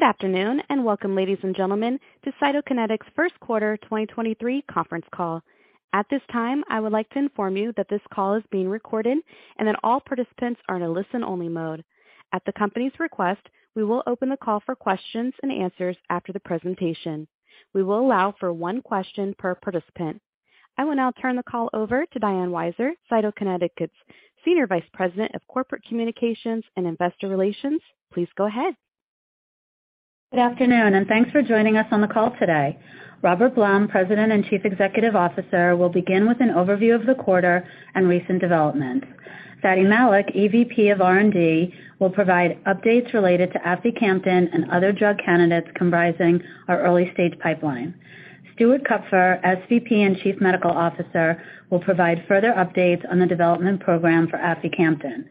Good afternoon and welcome, ladies, and gentlemen, to Cytokinetics First Quarter 2023 Conference Call. At this time, I would like to inform you that this call is being recorded and that all participants are in a listen-only mode. At the company's request, we will open the call for questions and answers after the presentation. We will allow for one question per participant. I will now turn the call over to Diane Weiser, Cytokinetics Senior Vice President of Corporate Communications and Investor Relations. Please go ahead. Good afternoon, and thanks for joining us on the call today. Robert Blum, President and Chief Executive Officer, will begin with an overview of the quarter and recent developments. Fady Malik, EVP of R&D, will provide updates related to aficamten and other drug candidates comprising our early-stage pipeline. Stuart Kupfer, SVP and Chief Medical Officer, will provide further updates on the development program for aficamten.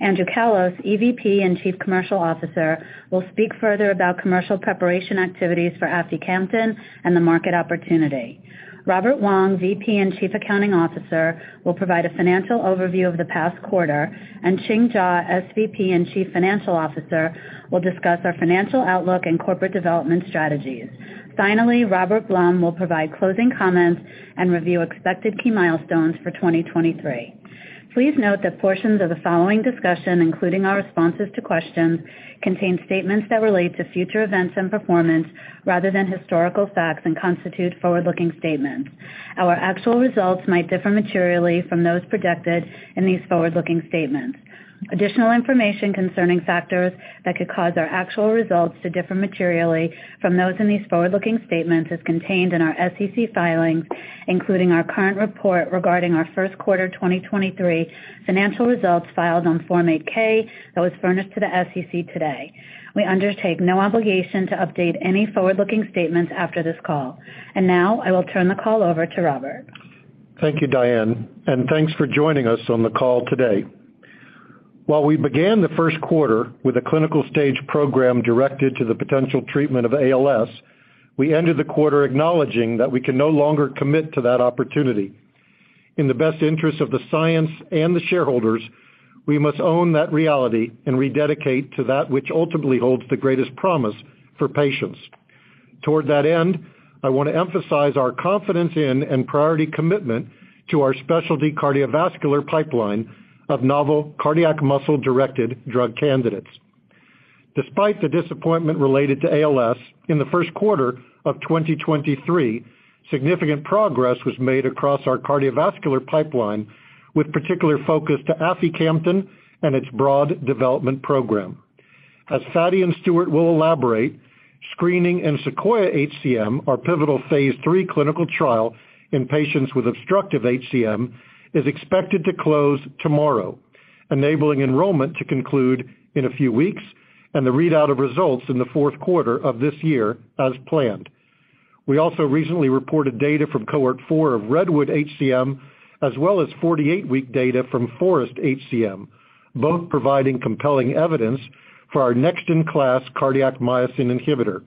Andrew Callos, EVP and Chief Commercial Officer, will speak further about commercial preparation activities for aficamten and the market opportunity. Robert Wong, VP and Chief Accounting Officer, will provide a financial overview of the past quarter, and Ching Jaw, SVP and Chief Financial Officer, will discuss our financial outlook and corporate development strategies. Finally, Robert Blum will provide closing comments and review expected key milestones for 2023. Please note that portions of the following discussion, including our responses to questions, contain statements that relate to future events and performance rather than historical facts and constitute forward-looking statements. Our actual results might differ materially from those projected in these forward-looking statements. Additional information concerning factors that could cause our actual results to differ materially from those in these forward-looking statements is contained in our SEC filings, including our current report regarding our first quarter 2023 financial results filed on Form 8-K that was furnished to the SEC today. We undertake no obligation to update any forward-looking statements after this call. Now, I will turn the call over to Robert. Thank you, Diane. Thanks for joining us on the call today. While we began the first quarter with a clinical stage program directed to the potential treatment of ALS, we ended the quarter acknowledging that we can no longer commit to that opportunity. In the best interest of the science and the shareholders, we must own that reality and rededicate to that which ultimately holds the greatest promise for patients. Toward that end, I want to emphasize our confidence in and priority commitment to our specialty cardiovascular pipeline of novel cardiac muscle-directed drug candidates. Despite the disappointment related to ALS, in the first quarter of 2023, significant progress was made across our cardiovascular pipeline with particular focus to aficamten and its broad development program. As Fady and Stuart will elaborate, screening in SEQUOIA-HCM, our pivotal phase III clinical trial in patients with obstructive HCM, is expected to close tomorrow, enabling enrollment to conclude in a few weeks and the readout of results in the fourth quarter of this year as planned. We also recently reported data from cohort 4 of REDWOOD-HCM as well as 48-week data from FOREST-HCM, both providing compelling evidence for our next-in-class cardiac myosin inhibitor.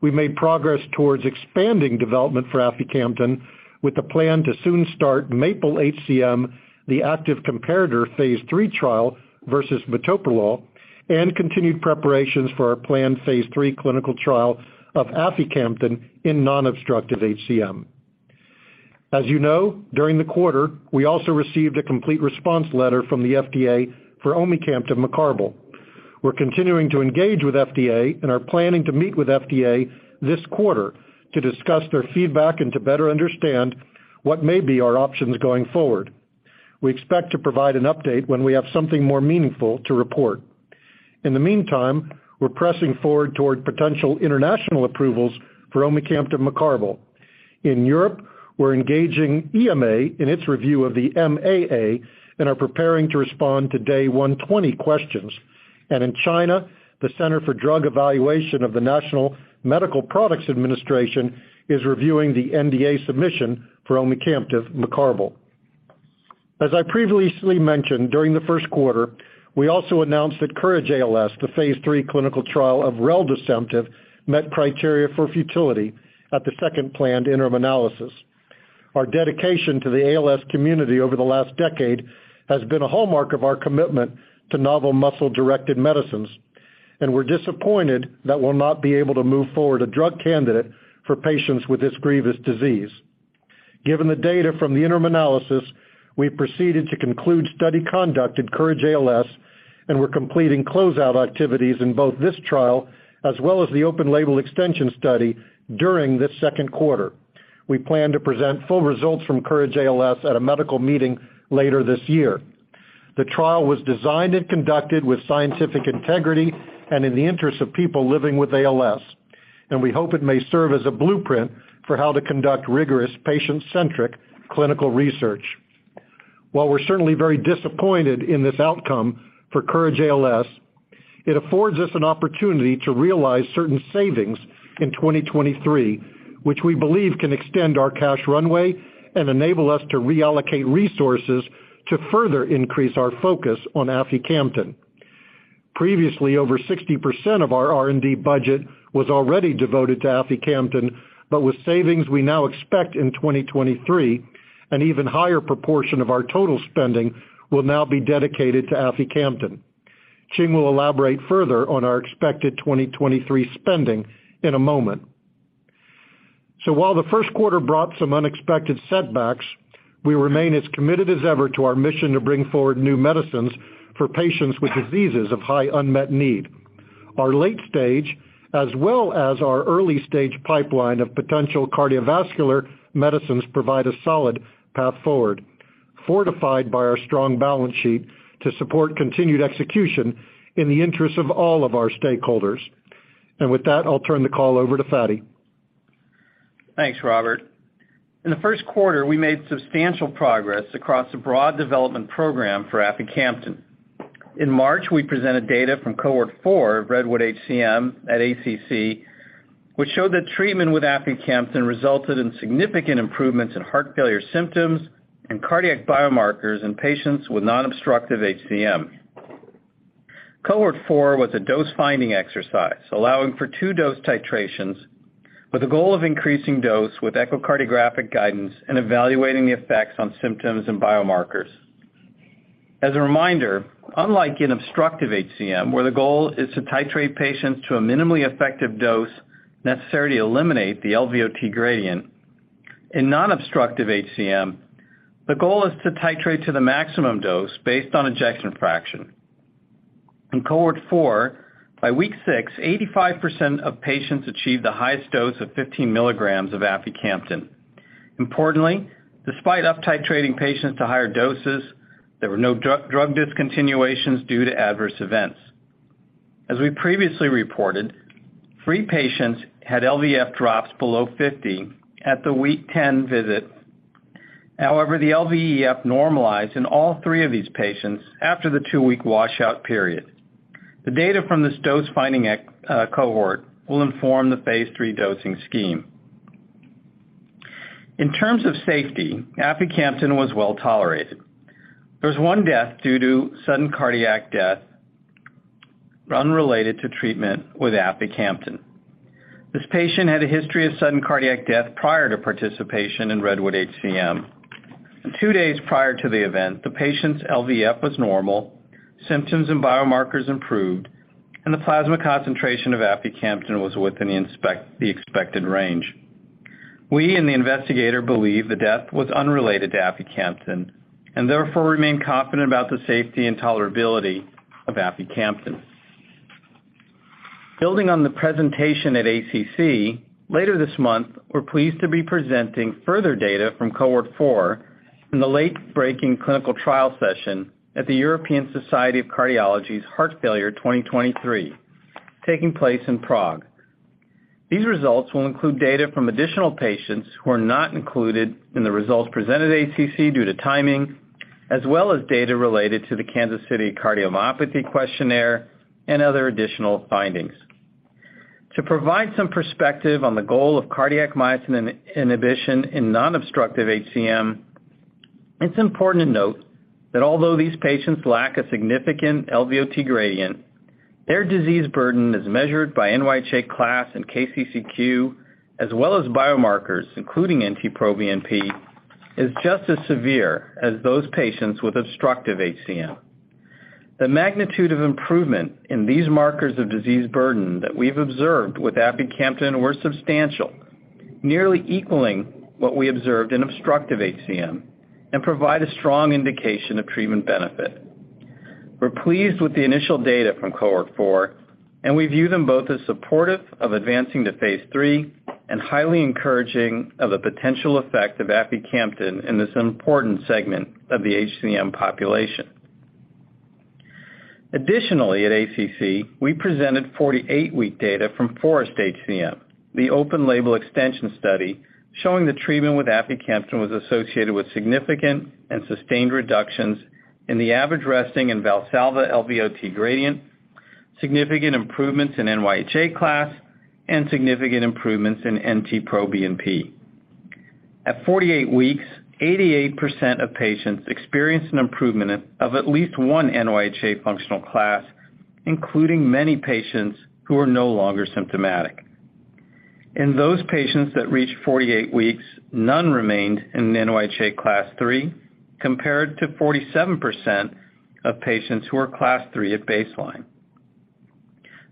We made progress towards expanding development for aficamten with a plan to soon start MAPLE-HCM, the active comparator phase III trial versus metoprolol, and continued preparations for our planned phase III clinical trial of aficamten in non-obstructive HCM. As you know, during the quarter, we also received a complete response letter from the FDA for omecamtiv mecarbil. We're continuing to engage with FDA and are planning to meet with FDA this quarter to discuss their feedback and to better understand what may be our options going forward. We expect to provide an update when we have something more meaningful to report. In the meantime, we're pressing forward toward potential international approvals for omecamtiv mecarbil. In Europe, we're engaging EMA in its review of the MAA and are preparing to respond to Day 120 questions. In China, the Center for Drug Evaluation of the National Medical Products Administration is reviewing the NDA submission for omecamtiv mecarbil. As I previously mentioned, during the first quarter, we also announced that COURAGE-ALS, the phase III clinical trial of reldesemtiv, met criteria for futility at the second planned interim analysis. Our dedication to the ALS community over the last decade has been a hallmark of our commitment to novel muscle-directed medicines, and we're disappointed that we'll not be able to move forward a drug candidate for patients with this grievous disease. Given the data from the interim analysis, we've proceeded to conclude study conduct in COURAGE-ALS, and we're completing closeout activities in both this trial as well as the open-label extension study during this second quarter. We plan to present full results from COURAGE-ALS at a medical meeting later this year. The trial was designed and conducted with scientific integrity and in the interest of people living with ALS, and we hope it may serve as a blueprint for how to conduct rigorous patient-centric clinical research. We're certainly very disappointed in this outcome for COURAGE-ALS, it affords us an opportunity to realize certain savings in 2023, which we believe can extend our cash runway and enable us to reallocate resources to further increase our focus on aficamten. Previously, over 60% of our R&D budget was already devoted to aficamten, with savings we now expect in 2023, an even higher proportion of our total spending will now be dedicated to aficamten. Ching will elaborate further on our expected 2023 spending in a moment. While the first quarter brought some unexpected setbacks, we remain as committed as ever to our mission to bring forward new medicines for patients with diseases of high unmet need. Our late stage, as well as our early stage pipeline of potential cardiovascular medicines provide a solid path forward, fortified by our strong balance sheet to support continued execution in the interest of all of our stakeholders. With that, I'll turn the call over to Fady. Thanks, Robert. In the first quarter, we made substantial progress across a broad development program for aficamten. In March, we presented data from cohort 4 of REDWOOD-HCM at ACC, which showed that treatment with aficamten resulted in significant improvements in heart failure symptoms and cardiac biomarkers in patients with non-obstructive HCM. Cohort 4 was a dose-finding exercise, allowing for two dose titrations with the goal of increasing dose with echocardiographic guidance and evaluating the effects on symptoms and biomarkers. As a reminder, unlike in obstructive HCM, where the goal is to titrate patients to a minimally effective dose necessary to eliminate the LVOT gradient, in non-obstructive HCM, the goal is to titrate to the maximum dose based on ejection fraction. In cohort 4, by week 6, 85% of patients achieved the highest dose of 15 mg of aficamten. Importantly, despite uptitrating patients to higher doses, there were no drug discontinuations due to adverse events. As we previously reported, three patients had LVEF drops below 50 at the week 10 visit. However, the LVEF normalized in all three of these patients after the two week washout period. The data from this dose-finding cohort will inform the phase III dosing scheme. In terms of safety, aficamten was well-tolerated. There was one death due to sudden cardiac death unrelated to treatment with aficamten. This patient had a history of sudden cardiac death prior to participation in REDWOOD-HCM. Two days prior to the event, the patient's LVEF was normal, symptoms and biomarkers improved, and the plasma concentration of aficamten was within the expected range. We and the investigator believe the death was unrelated to aficamten and therefore remain confident about the safety and tolerability of aficamten. Building on the presentation at ACC, later this month, we're pleased to be presenting further data from cohort four in the late-breaking clinical trial session at the European Society of Cardiology's Heart Failure 2023 taking place in Prague. These results will include data from additional patients who are not included in the results presented at ACC due to timing, as well as data related to the Kansas City Cardiomyopathy Questionnaire and other additional findings. To provide some perspective on the goal of cardiac myosin inhibition in non-obstructive HCM, it's important to note that although these patients lack a significant LVOT gradient, their disease burden as measured by NYHA class and KCCQ, as well as biomarkers, including NT-proBNP, is just as severe as those patients with obstructive HCM. The magnitude of improvement in these markers of disease burden that we've observed with aficamten were substantial, nearly equaling what we observed in obstructive HCM and provide a strong indication of treatment benefit. We're pleased with the initial data from cohort 4. We view them both as supportive of advancing to phase III and highly encouraging of the potential effect of aficamten in this important segment of the HCM population. Additionally, at ACC, we presented 48-week data from FOREST-HCM, the open label extension study, showing the treatment with aficamten was associated with significant and sustained reductions in the average resting and Valsalva LVOT gradient, significant improvements in NYHA class, and significant improvements in NT-proBNP. At 48 weeks, 88% of patients experienced an improvement of at least one NYHA functional class, including many patients who are no longer symptomatic. In those patients that reached 48 weeks, none remained in NYHA class 3, compared to 47% of patients who were class 3 at baseline.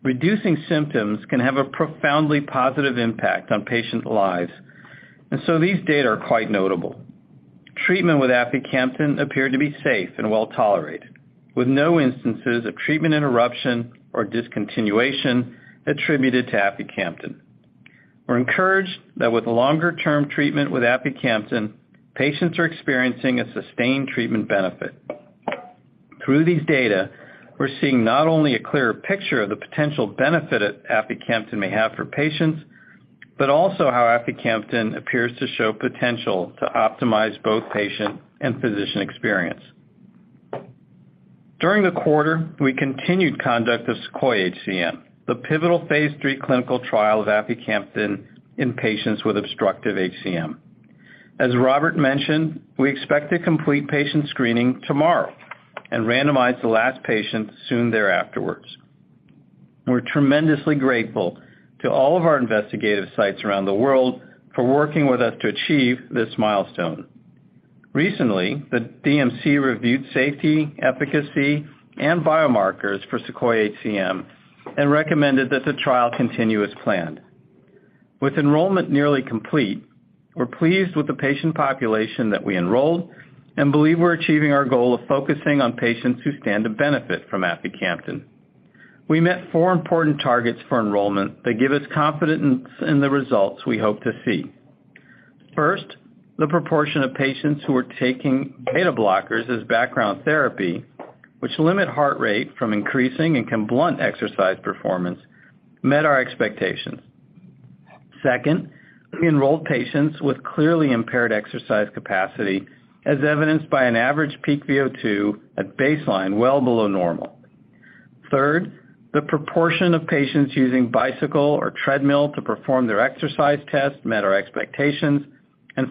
Reducing symptoms can have a profoundly positive impact on patients' lives, these data are quite notable. Treatment with aficamten appeared to be safe and well-tolerated, with no instances of treatment interruption or discontinuation attributed to aficamten. We're encouraged that with longer-term treatment with aficamten, patients are experiencing a sustained treatment benefit. Through these data, we're seeing not only a clearer picture of the potential benefit that aficamten may have for patients, but also how aficamten appears to show potential to optimize both patient and physician experience. During the quarter, we continued conduct of SEQUOIA-HCM, the pivotal phase III clinical trial of aficamten in patients with obstructive HCM. As Robert mentioned, we expect to complete patient screening tomorrow and randomize the last patient soon afterwards. We're tremendously grateful to all of our investigative sites around the world for working with us to achieve this milestone. Recently, the DMC reviewed safety, efficacy, and biomarkers for SEQUOIA-HCM and recommended that the trial continue as planned. With enrollment nearly complete, we're pleased with the patient population that we enrolled and believe we're achieving our goal of focusing on patients who stand to benefit from aficamten. We met four important targets for enrollment that give us confidence in the results we hope to see. First, the proportion of patients who are taking beta blockers as background therapy, which limit heart rate from increasing and can blunt exercise performance, met our expectations. Second, we enrolled patients with clearly impaired exercise capacity, as evidenced by an average peak VO2 at baseline, well below normal. The proportion of patients using bicycle or treadmill to perform their exercise test met our expectations.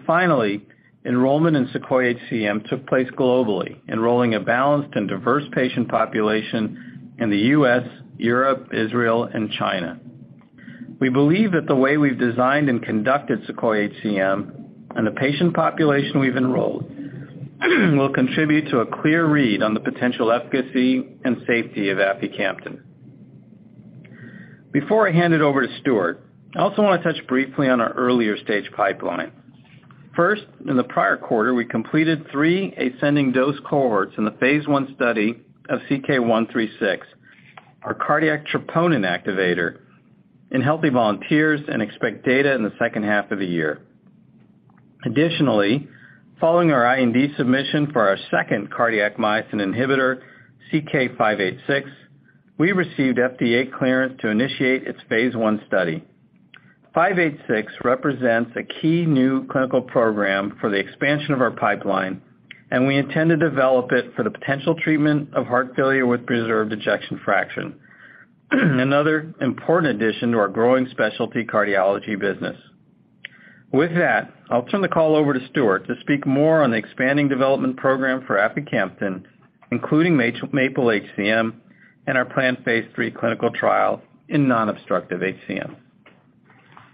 Finally, enrollment in SEQUOIA-HCM took place globally, enrolling a balanced and diverse patient population in the U.S., Europe, Israel, and China. We believe that the way we've designed and conducted SEQUOIA-HCM and the patient population we've enrolled will contribute to a clear read on the potential efficacy and safety of aficamten. Before I hand it over to Stuart, I also wanna touch briefly on our earlier stage pipeline. In the prior quarter, we completed three ascending dose cohorts in the phase I study of CK-136, our cardiac troponin activator in healthy volunteers and expect data in the second half of the year. Additionally, following our IND submission for our second cardiac myosin inhibitor, CK-586, we received FDA clearance to initiate its phase I study. 586 represents a key new clinical program for the expansion of our pipeline, and we intend to develop it for the potential treatment of heart failure with preserved ejection fraction, another important addition to our growing specialty cardiology business. With that, I'll turn the call over to Stuart to speak more on the expanding development program for aficamten, including MAPLE-HCM and our planned phase III clinical trial in non-obstructive HCM.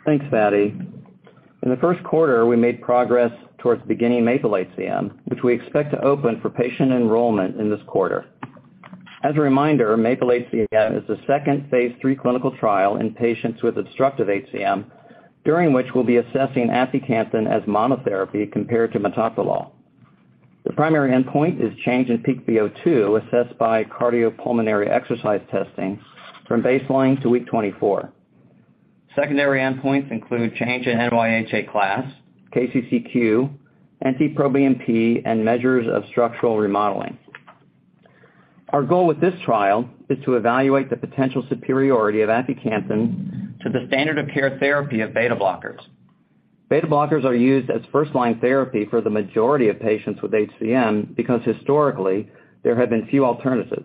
Thanks, Fady. In the first quarter, we made progress towards beginning MAPLE-HCM, which we expect to open for patient enrollment in this quarter. As a reminder, MAPLE-HCM is the second phase III clinical trial in patients with obstructive HCM, during which we'll be assessing aficamten as monotherapy compared to metoprolol. The primary endpoint is change in peak VO2 assessed by cardiopulmonary exercise testing from baseline to week 24. Secondary endpoints include change in NYHA class, KCCQ, NT-proBNP, and measures of structural remodeling. Our goal with this trial is to evaluate the potential superiority of aficamten to the standard of care therapy of beta blockers. Beta blockers are used as first-line therapy for the majority of patients with HCM because historically there have been few alternatives.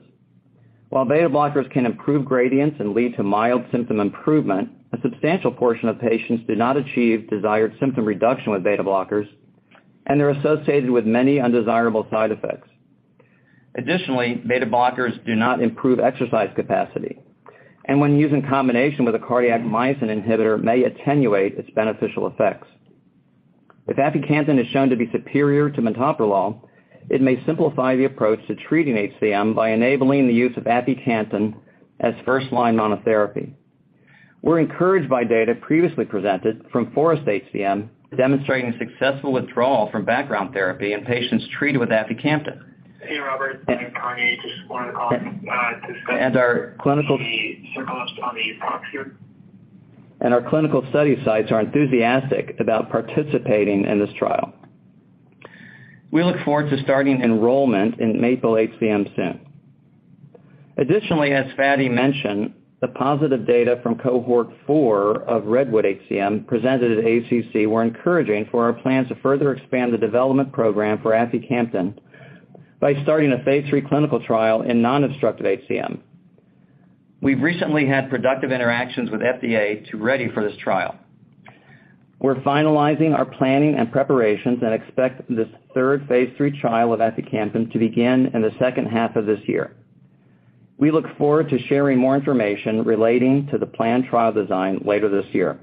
While beta blockers can improve gradients and lead to mild symptom improvement, a substantial portion of patients do not achieve desired symptom reduction with beta blockers, and they're associated with many undesirable side effects. Additionally, beta blockers do not improve exercise capacity, and when used in combination with a cardiac myosin inhibitor, may attenuate its beneficial effects. If aficamten is shown to be superior to metoprolol, it may simplify the approach to treating HCM by enabling the use of aficamten as first-line monotherapy. We're encouraged by data previously presented from FOREST-HCM demonstrating successful withdrawal from background therapy in patients treated with aficamten. Hey, Robert, Dane Leone. Just wanted to call. And our clinical- the circumstance on the proxy here. Our clinical study sites are enthusiastic about participating in this trial. We look forward to starting enrollment in MAPLE-HCM soon. Additionally, as Fady mentioned, the positive data from cohort 4 of REDWOOD-HCM presented at ACC were encouraging for our plans to further expand the development program for aficamten by starting a phase III clinical trial in non-obstructive HCM. We've recently had productive interactions with FDA to ready for this trial. We're finalizing our planning and preparations and expect this third phase III trial of aficamten to begin in the second half of this year. We look forward to sharing more information relating to the planned trial design later this year.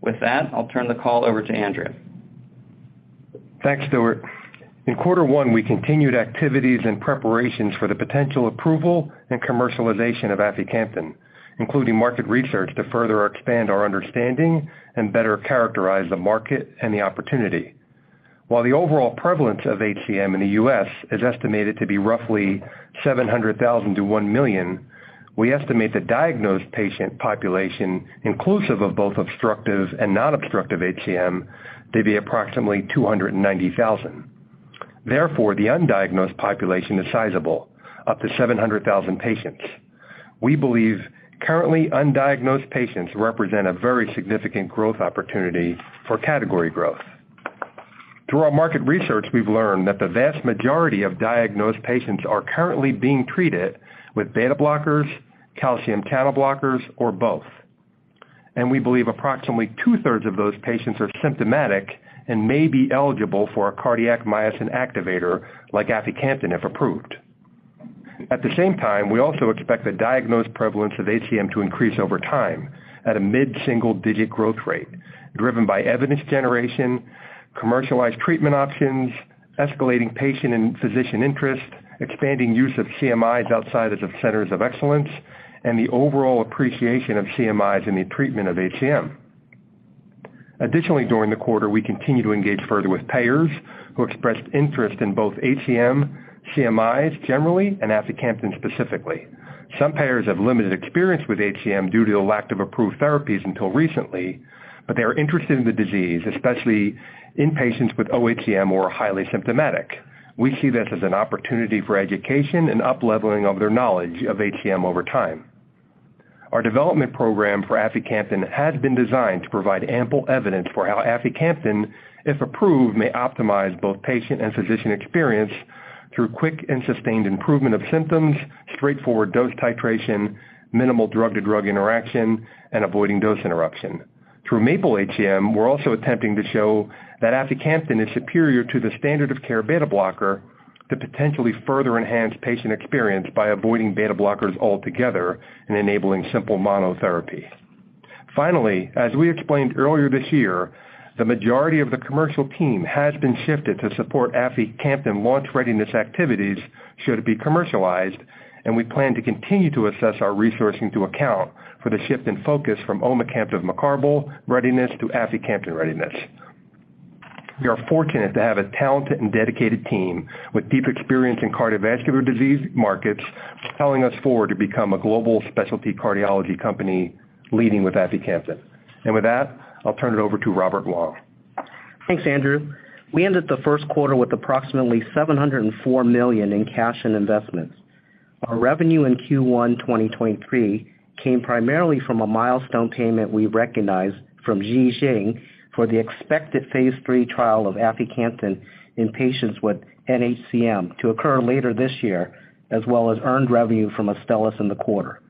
With that, I'll turn the call over to Andrea. Thanks, Stuart. In quarter one, we continued activities and preparations for the potential approval and commercialization of aficamten, including market research to further expand our understanding and better characterize the market and the opportunity. While the overall prevalence of HCM in the U.S. is estimated to be roughly 700,000 to 1 million, we estimate the diagnosed patient population, inclusive of both obstructive and non-obstructive HCM, to be approximately 290,000. The undiagnosed population is sizable, up to 700,000 patients. We believe currently undiagnosed patients represent a very significant growth opportunity for category growth. Through our market research, we've learned that the vast majority of diagnosed patients are currently being treated with beta blockers, calcium channel blockers, or both. We believe approximately 2/3 of those patients are symptomatic and may be eligible for a cardiac myosin activator like aficamten if approved. At the same time, we also expect the diagnosed prevalence of HCM to increase over time at a mid-single digit growth rate, driven by evidence generation, commercialized treatment options, escalating patient and physician interest, expanding use of CMIs outside of centers of excellence, and the overall appreciation of CMIs in the treatment of HCM. Additionally, during the quarter, we continued to engage further with payers who expressed interest in both HCM, CMIs generally, and aficamten specifically. Some payers have limited experience with HCM due to the lack of approved therapies until recently, but they are interested in the disease, especially in patients with oHCM who are highly symptomatic. We see this as an opportunity for education and up-leveling of their knowledge of HCM over time. Our development program for aficamten has been designed to provide ample evidence for how aficamten, if approved, may optimize both patient and physician experience through quick and sustained improvement of symptoms, straightforward dose titration, minimal drug-to-drug interaction, and avoiding dose interruption. Through MAPLE-HCM, we're also attempting to show that aficamten is superior to the standard of care beta blocker to potentially further enhance patient experience by avoiding beta blockers altogether and enabling simple monotherapy. As we explained earlier this year, the majority of the commercial team has been shifted to support aficamten launch readiness activities should it be commercialized, and we plan to continue to assess our resourcing to account for the shift in focus from omecamtiv mecarbil readiness to aficamten readiness. We are fortunate to have a talented and dedicated team with deep experience in cardiovascular disease markets propelling us forward to become a global specialty cardiology company leading with aficamten. With that, I'll turn it over to Robert Wong. Thanks, Andrew. We ended the first quarter with approximately $704 million in cash and investments. Our revenue in Q1 2023 came primarily from a milestone payment we recognized from Ji Xing for the expected phase III trial of aficamten in patients with nHCM to occur later this year, as well as earned revenue from Astellas in the quarter.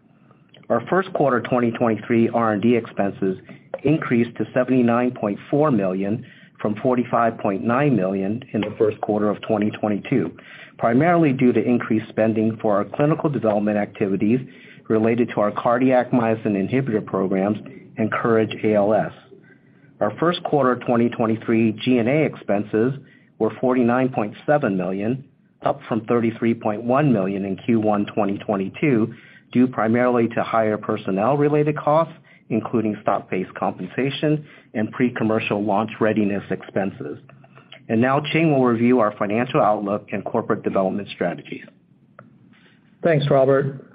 Our first quarter 2023 R&D expenses increased to $79.4 million from $45.9 million in the first quarter of 2022, primarily due to increased spending for our clinical development activities related to our cardiac myosin inhibitor programs and COURAGE-ALS. Our first quarter 2023 G&A expenses were $49.7 million, up from $33.1 million in Q1 2022, due primarily to higher personnel-related costs, including stock-based compensation and pre-commercial launch readiness expenses. Now Ching will review our financial outlook and corporate development strategies. Thanks, Robert.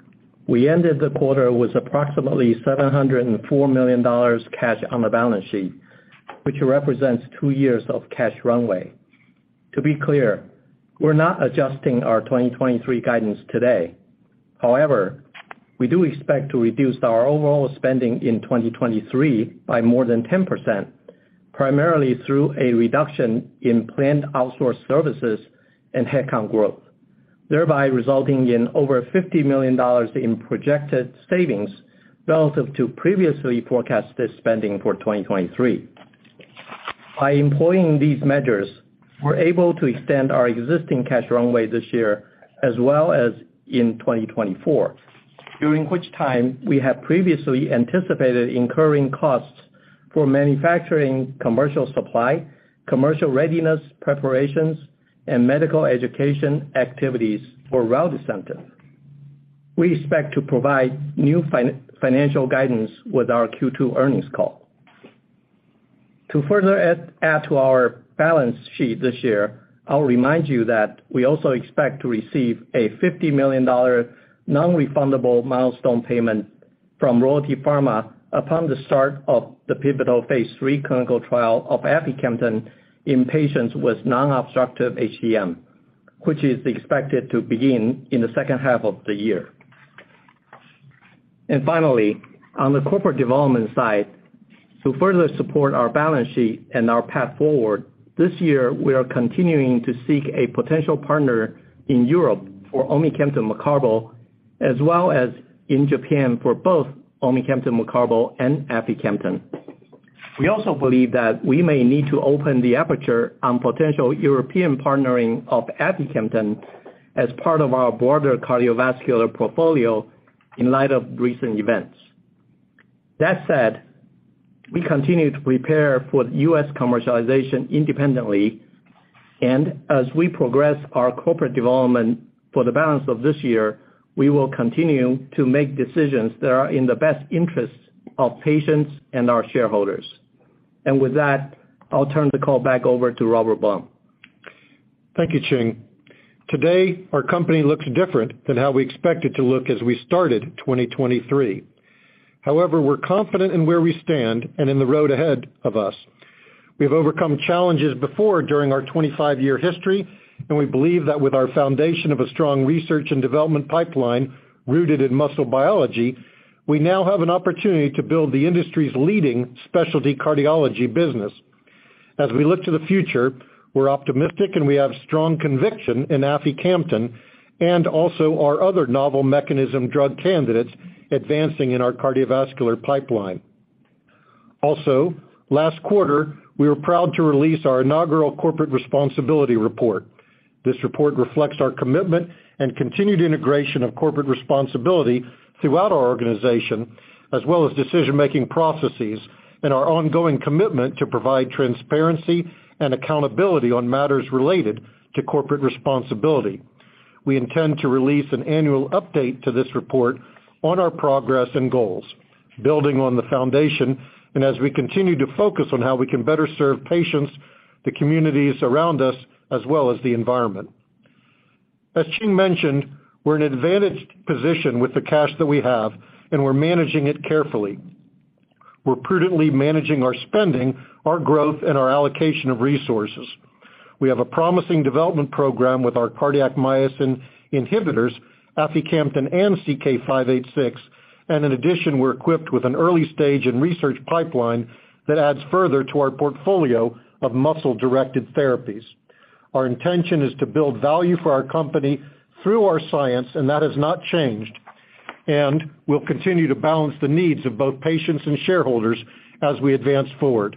We ended the quarter with approximately $704 million cash on the balance sheet, which represents two years of cash runway. To be clear, we're not adjusting our 2023 guidance today. We do expect to reduce our overall spending in 2023 by more than 10%, primarily through a reduction in planned outsourced services and headcount growth, thereby resulting in over $50 million in projected savings relative to previously forecasted spending for 2023. By employing these measures, we're able to extend our existing cash runway this year as well as in 2024, during which time we have previously anticipated incurring costs for manufacturing commercial supply, commercial readiness preparations, and medical education activities for reldesemtiv. We expect to provide new financial guidance with our Q2 earnings call. To further add to our balance sheet this year, I'll remind you that we also expect to receive a $50 million non-refundable milestone payment from Royalty Pharma upon the start of the pivotal phase III clinical trial of aficamten in patients with non-obstructive HCM, which is expected to begin in the second half of the year. Finally, on the corporate development side, to further support our balance sheet and our path forward, this year, we are continuing to seek a potential partner in Europe for omecamtiv mecarbil, as well as in Japan for both omecamtiv mecarbil and aficamten. We also believe that we may need to open the aperture on potential European partnering of aficamten as part of our broader cardiovascular portfolio in light of recent events. That said, we continue to prepare for U.S. commercialization independently, and as we progress our corporate development for the balance of this year, we will continue to make decisions that are in the best interests of patients and our shareholders. With that, I'll turn the call back over to Robert Blum. Thank you, Ching. Today, our company looks different than how we expected to look as we started 2023. However, we're confident in where we stand and in the road ahead of us. We have overcome challenges before during our 25-year history, and we believe that with our foundation of a strong research and development pipeline rooted in muscle biology, we now have an opportunity to build the industry's leading specialty cardiology business. As we look to the future, we're optimistic, and we have strong conviction in aficamten and also our other novel mechanism drug candidates advancing in our cardiovascular pipeline. Also, last quarter, we were proud to release our inaugural corporate responsibility report. This report reflects our commitment and continued integration of corporate responsibility throughout our organization, as well as decision-making processes and our ongoing commitment to provide transparency and accountability on matters related to corporate responsibility. We intend to release an annual update to this report on our progress and goals, building on the foundation and as we continue to focus on how we can better serve patients, the communities around us, as well as the environment. As Ching mentioned, we're in an advantaged position with the cash that we have, and we're managing it carefully. We're prudently managing our spending, our growth, and our allocation of resources. We have a promising development program with our cardiac myosin inhibitors, aficamten and CK-586. In addition, we're equipped with an early stage in research pipeline that adds further to our portfolio of muscle-directed therapies. Our intention is to build value for our company through our science, and that has not changed, and we'll continue to balance the needs of both patients and shareholders as we advance forward.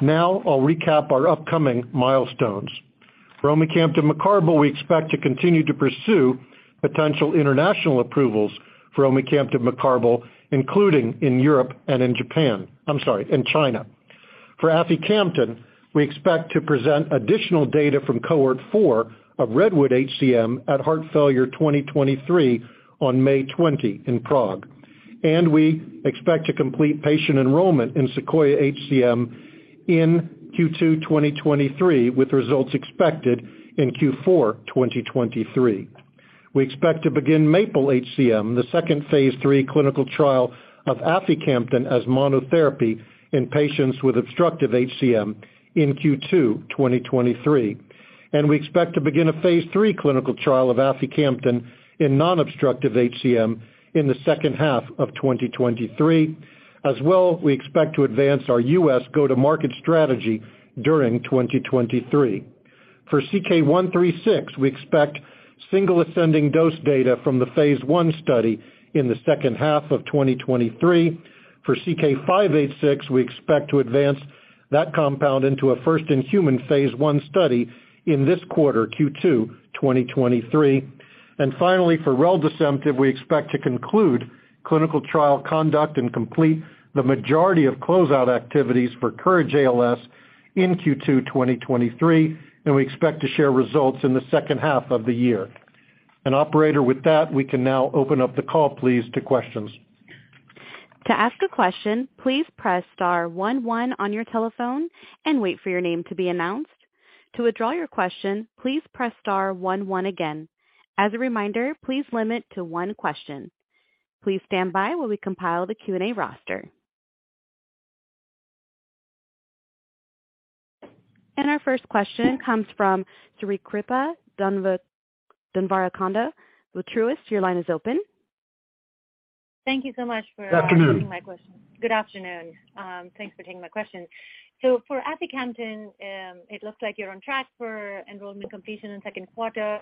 Now I'll recap our upcoming milestones. For omecamtiv mecarbil, we expect to continue to pursue potential international approvals for omecamtiv mecarbil, including in Europe and in China. For aficamten, we expect to present additional data from cohort 4 of REDWOOD-HCM at Heart Failure 2023 on May 20 in Prague. We expect to complete patient enrollment in SEQUOIA-HCM in Q2 2023, with results expected in Q4 2023. We expect to begin MAPLE-HCM, the second phase III clinical trial of aficamten as monotherapy in patients with obstructive HCM in Q2 2023. We expect to begin a phase III clinical trial of aficamten in non-obstructive HCM in the second half of 2023. As well, we expect to advance our U.S. go-to-market strategy during 2023. For CK-136, we expect single ascending dose data from the phase I study in the second half of 2023. For CK-586, we expect to advance that compound into a first-in-human phase I study in this quarter, Q2 2023. Finally, for reldesemtiv, we expect to conclude clinical trial conduct and complete the majority of closeout activities for COURAGE-ALS in Q2 2023, and we expect to share results in the second half of the year. Operator, with that, we can now open up the call, please, to questions. To ask a question, please press star one one on your telephone and wait for your name to be announced. To withdraw your question, please press star one one again. As a reminder, please limit to one question. Please stand by while we compile the Q&A roster. Our first question comes from Srikripa Devarakonda. With Truist, your line is open. Thank you so much. Good afternoon. Taking my question. Good afternoon. Thanks for taking my question. For aficamten, it looks like you're on track for enrollment completion in second quarter.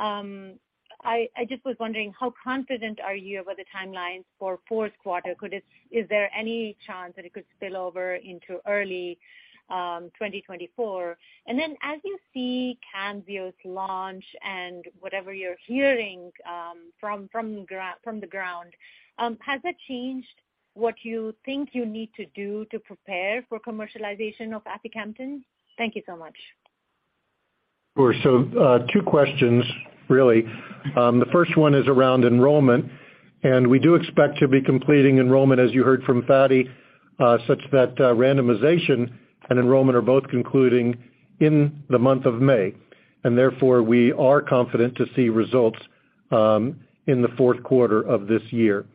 I just was wondering how confident are you about the timelines for fourth quarter? Is there any chance that it could spill over into early 2024? As you see Camzyos launch and whatever you're hearing from the ground, has that changed what you think you need to do to prepare for commercialization of aficamten? Thank you so much. Sure. Two questions really. The first one is around enrollment, we do expect to be completing enrollment, as you heard from Fady, such that randomization and enrollment are both concluding in the month of May, therefore we are confident to see results in the fourth quarter of this year.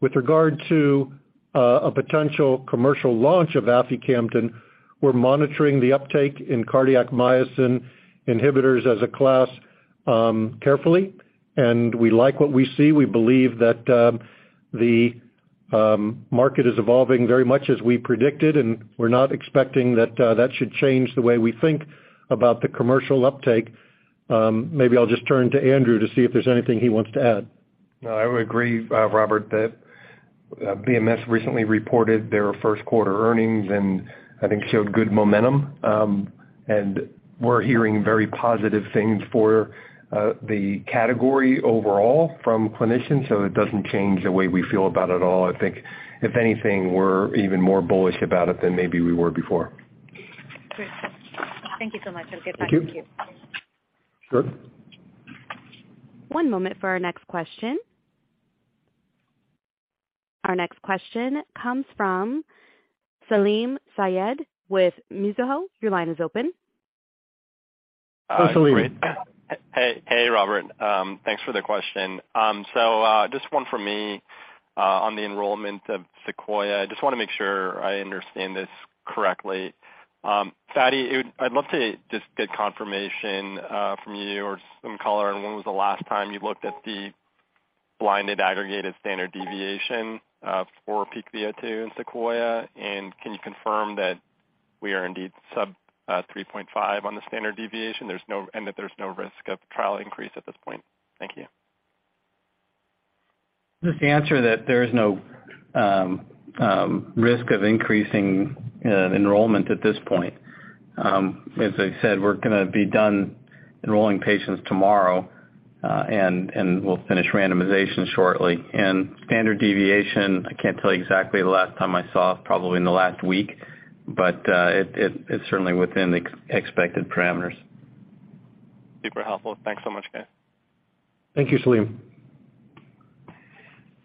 With regard to a potential commercial launch of aficamten, we're monitoring the uptake in cardiac myosin inhibitors as a class, carefully, we like what we see. We believe that the market is evolving very much as we predicted, we're not expecting that should change the way we think about the commercial uptake. Maybe I'll just turn to Andrew to see if there's anything he wants to add. No, I would agree, Robert, that BMS recently reported their first quarter earnings and I think showed good momentum. We're hearing very positive things for the category overall from clinicians, so it doesn't change the way we feel about it at all. If anything, we're even more bullish about it than maybe we were before. Great. Thank you so much. I'll give it back to you. Thank you. Sure. One moment for our next question. Our next question comes from Salim Syed with Mizuho. Your line is open. Hi, Salim. Hey. Hey, Robert. Thanks for the question. Just one for me on the enrollment of SEQUOIA. I just wanna make sure I understand this correctly. Fady, I'd love to just get confirmation from you or some color on when was the last time you looked at the blinded aggregated standard deviation for peak VO2 in SEQUOIA. Can you confirm that we are indeed sub 3.5 on the standard deviation? That there's no risk of trial increase at this point. Thank you. Just the answer that there is no risk of increasing enrollment at this point. As I said, we're gonna be done enrolling patients tomorrow, and we'll finish randomization shortly. Standard deviation, I can't tell you exactly the last time I saw, probably in the last week, but it's certainly within the expected parameters. Super helpful. Thanks so much, guys. Thank you, Salim.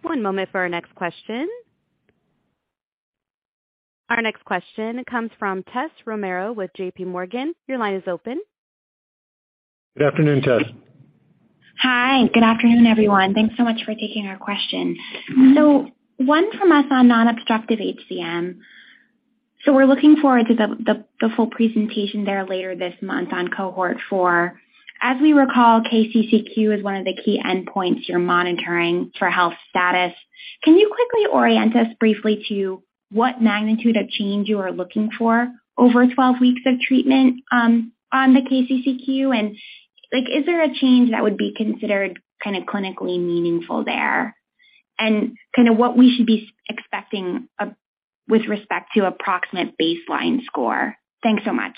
One moment for our next question. Our next question comes from Tessa Romero with JPMorgan. Your line is open. Good afternoon, Tess. Hi. Good afternoon, everyone. Thanks so much for taking our question. One from us on non-obstructive HCM. We're looking forward to the full presentation there later this month on cohort 4. As we recall, KCCQ is one of the key endpoints you're monitoring for health status. Can you quickly orient us briefly to what magnitude of change you are looking for over 12 weeks of treatment on the KCCQ? Like, is there a change that would be considered kind of clinically meaningful there? Kind of what we should be expecting with respect to approximate baseline score? Thanks so much.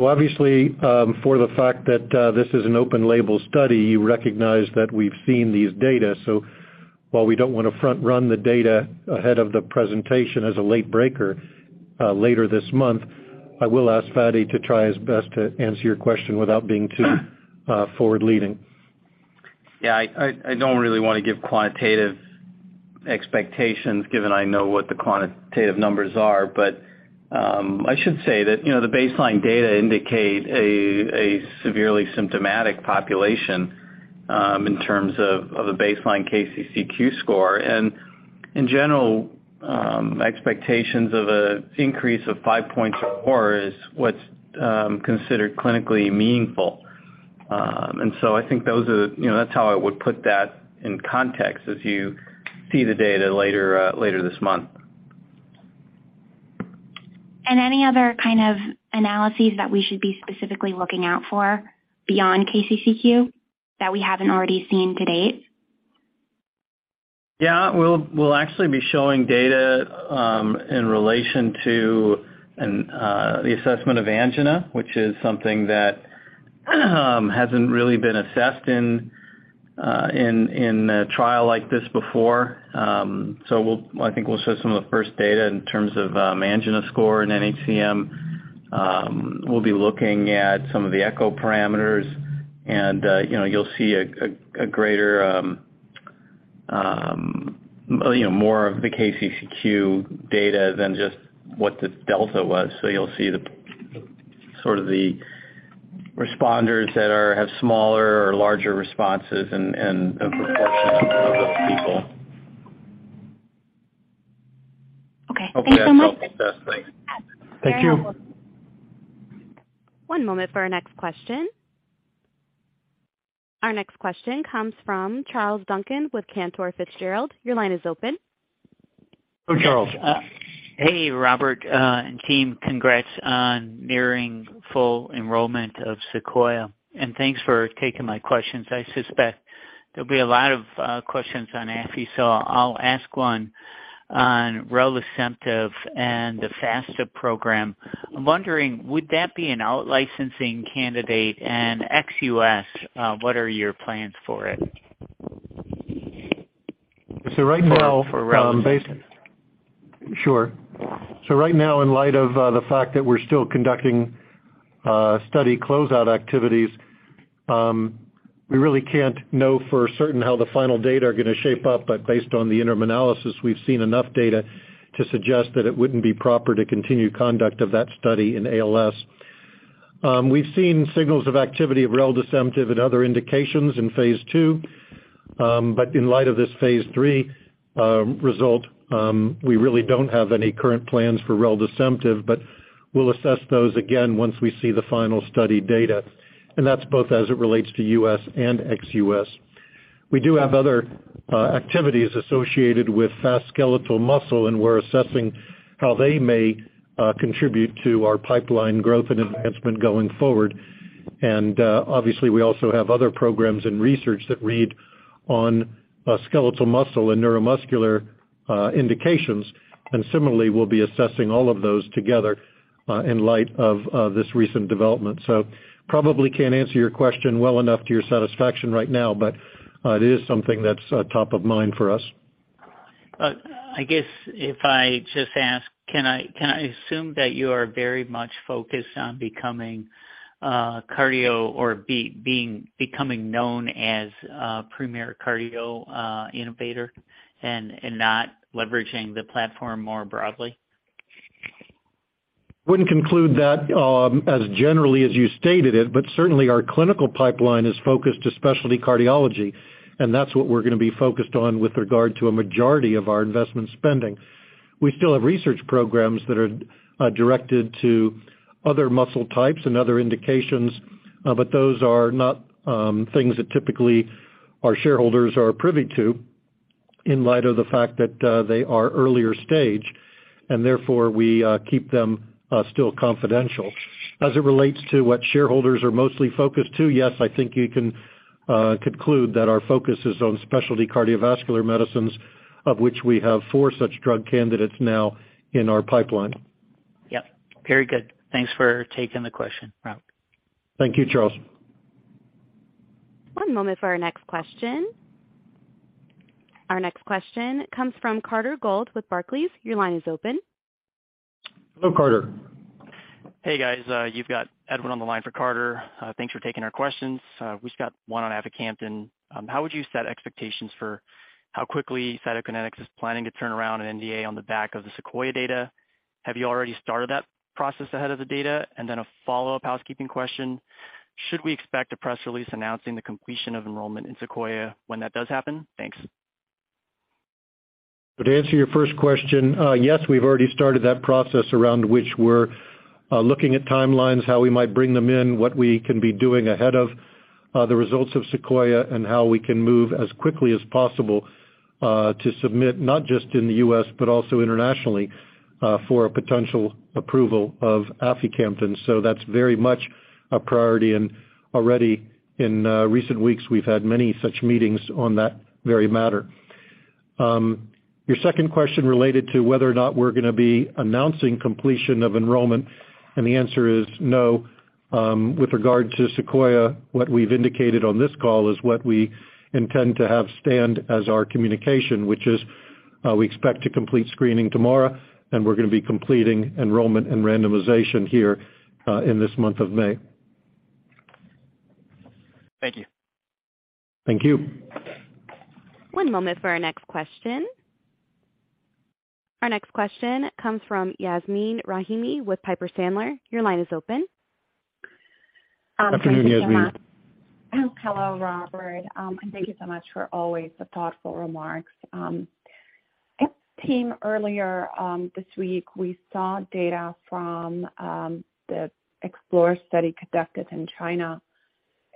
Obviously, for the fact that this is an open label study, you recognize that we've seen these data. While we don't want to front run the data ahead of the presentation as a late breaker, later this month, I will ask Fady to try his best to answer your question without being too forward-leading. Yeah, I don't really want to give quantitative expectations given I know what the quantitative numbers are. I should say that, you know, the baseline data indicate a severely symptomatic population, in terms of a baseline KCCQ score. In general, expectations of an increase of five points or more is what's considered clinically meaningful. I think, you know, that's how I would put that in context as you see the data later this month. Any other kind of analyses that we should be specifically looking out for beyond KCCQ that we haven't already seen to date? Yeah. We'll actually be showing data in relation to and the assessment of angina, which is something that hasn't really been assessed in a trial like this before. I think we'll show some of the first data in terms of angina score in nHCM. We'll be looking at some of the echo parameters and, you know, you'll see a greater, you know, more of the KCCQ data than just what the delta was. You'll see the sort of the responders that have smaller or larger responses and a proportion of those people. Okay. Thanks so much. Hope that helps, Tess. Thanks. Thank you. One moment for our next question. Our next question comes from Charles Duncan with Cantor Fitzgerald. Your line is open. Charles. Hey, Robert, and team. Congrats on nearing full enrollment of SEQUOIA, and thanks for taking my questions. I suspect there'll be a lot of questions on AF i-- so I'll ask one on reldesemtiv and the FSTA program. I'm wondering, would that be an out-licensing candidate and ex U.S., what are your plans for it? Right now. For reldesemtiv. Sure. Right now, in light of the fact that we're still conducting study closeout activities, we really can't know for certain how the final data are gonna shape up. Based on the interim analysis, we've seen enough data to suggest that it wouldn't be proper to continue conduct of that study in ALS. We've seen signals of activity of reldesemtiv in other indications in phase II. But in light of this phase III result, we really don't have any current plans for reldesemtiv, but we'll assess those again once we see the final study data, and that's both as it relates to U.S. and ex-U.S. We do have other activities associated with fast skeletal muscle, and we're assessing how they may contribute to our pipeline growth and enhancement going forward. Obviously, we also have other programs in research that read on skeletal muscle and neuromuscular indications. Similarly, we'll be assessing all of those together in light of this recent development. Probably can't answer your question well enough to your satisfaction right now, but it is something that's top of mind for us. I guess if I just ask, can I, can I assume that you are very much focused on becoming cardio or becoming known as a premier cardio innovator and not leveraging the platform more broadly? Wouldn't conclude that, as generally as you stated it, but certainly our clinical pipeline is focused to specialty cardiology, and that's what we're gonna be focused on with regard to a majority of our investment spending. We still have research programs that are directed to other muscle types and other indications, but those are not things that typically our shareholders are privy to. In light of the fact that, they are earlier stage and therefore we keep them still confidential. It relates to what shareholders are mostly focused to, yes, I think you can conclude that our focus is on specialty cardiovascular medicines, of which we have four such drug candidates now in our pipeline. Yep. Very good. Thanks for taking the question, Rob. Thank you, Charles. One moment for our next question. Our next question comes from Carter Gould with Barclays. Your line is open. Hello, Carter. Hey, guys. You've got Edward on the line for Carter. Thanks for taking our questions. We've just got one on aficamten. How would you set expectations for how quickly Cytokinetics is planning to turn around an NDA on the back of the SEQUOIA data? Have you already started that process ahead of the data? Then a follow-up housekeeping question. Should we expect a press release announcing the completion of enrollment in SEQUOIA when that does happen? Thanks. To answer your first question, yes, we've already started that process around which we're looking at timelines, how we might bring them in, what we can be doing ahead of the results of SEQUOIA, and how we can move as quickly as possible to submit not just in the U.S. but also internationally for a potential approval of aficamten. That's very much a priority. Already in recent weeks, we've had many such meetings on that very matter. Your second question related to whether or not we're gonna be announcing completion of enrollment, the answer is no. With regard to SEQUOIA-HCM, what we've indicated on this call is what we intend to have stand as our communication, which is, we expect to complete screening tomorrow, and we're gonna be completing enrollment and randomization here, in this month of May. Thank you. Thank you. One moment for our next question. Our next question comes from Yasmeen Rahimi with Piper Sandler. Your line is open. Afternoon, Yasmeen. Hello, Robert. Thank you so much for always the thoughtful remarks. Team, earlier, this week we saw data from the EXPLORER-HCM study conducted in China.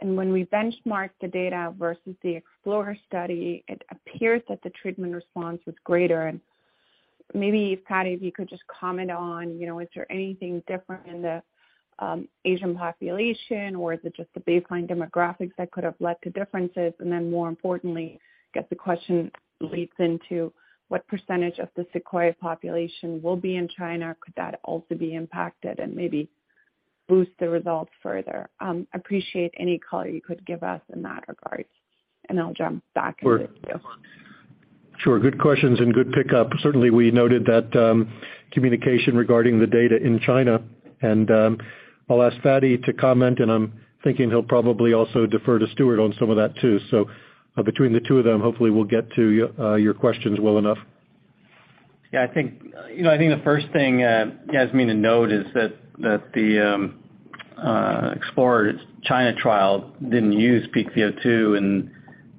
When we benchmarked the data versus the EXPLORER-HCM study, it appears that the treatment response was greater. Maybe, Fady, if you could just comment on, you know, is there anything different in the Asian population, or is it just the baseline demographics that could have led to differences? Then more importantly, I guess the question leads into what percentage of the SEQUOIA population will be in China? Could that also be impacted and maybe boost the results further? Appreciate any color you could give us in that regard, and I'll jump back to you. Sure. Good questions and good pickup. Certainly, we noted that communication regarding the data in China. I'll ask Fady to comment, and I'm thinking he'll probably also defer to Stuart on some of that too. Between the two of them, hopefully we'll get to your questions well enough. Yeah. I think, you know, I think the first thing, Yasmeen to note is that the Explorer China trial didn't use peak VO2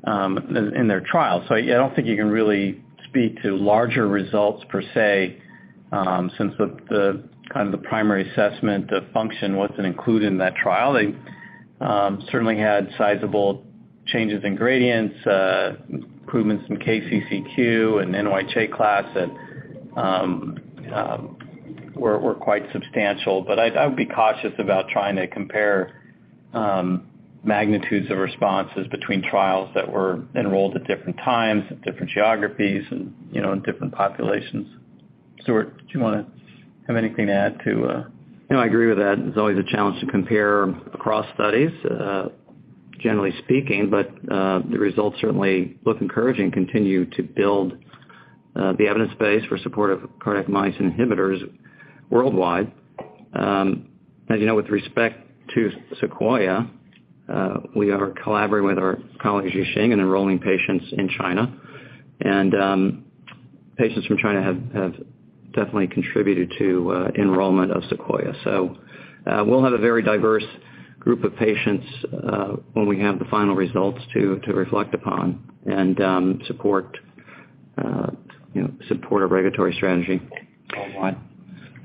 in their trial. I don't think you can really speak to larger results per se, since the kind of the primary assessment of function wasn't included in that trial. They certainly had sizable changes in gradients, improvements in KCCQ and NYHA class that were quite substantial. I would be cautious about trying to compare magnitudes of responses between trials that were enrolled at different times, at different geographies and, you know, in different populations. Stuart, do you wanna have anything to add to... You know, I agree with that. It's always a challenge to compare across studies, generally speaking, but the results certainly look encouraging, continue to build the evidence base for supportive cardiac myosin inhibitors worldwide. As you know, with respect to SEQUOIA, we are collaborating with our colleagues at Ji Xing and enrolling patients in China. Patients from China have definitely contributed to enrollment of SEQUOIA. We'll have a very diverse group of patients, when we have the final results to reflect upon and support, you know, support our regulatory strategy worldwide.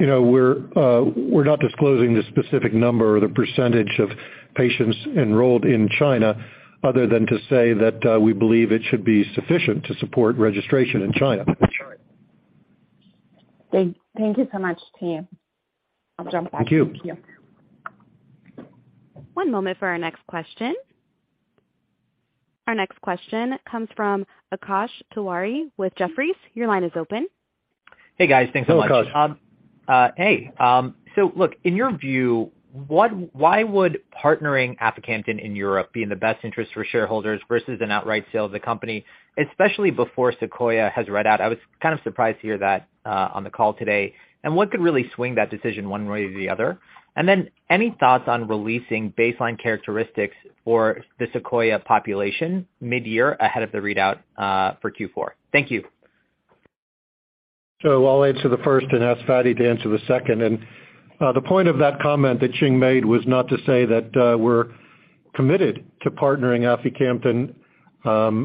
You know, we're not disclosing the specific number or the percentage of patients enrolled in China other than to say that, we believe it should be sufficient to support registration in China. Great. Thank you so much, team. I'll jump back to you. Thank you. One moment for our next question. Our next question comes from Akash Tewari with Jefferies. Your line is open. Hey, guys. Thanks so much. Hello, Akash. Hey. Look, in your view, why would partnering aficamten in Europe be in the best interest for shareholders versus an outright sale of the company, especially before SEQUOIA has read out? I was kind of surprised to hear that on the call today. What could really swing that decision one way or the other? Any thoughts on releasing baseline characteristics for the SEQUOIA population mid-year ahead of the readout for Q4? Thank you. I'll answer the first and ask Fady to answer the second. The point of that comment that Ching made was not to say that we're committed to partnering aficamten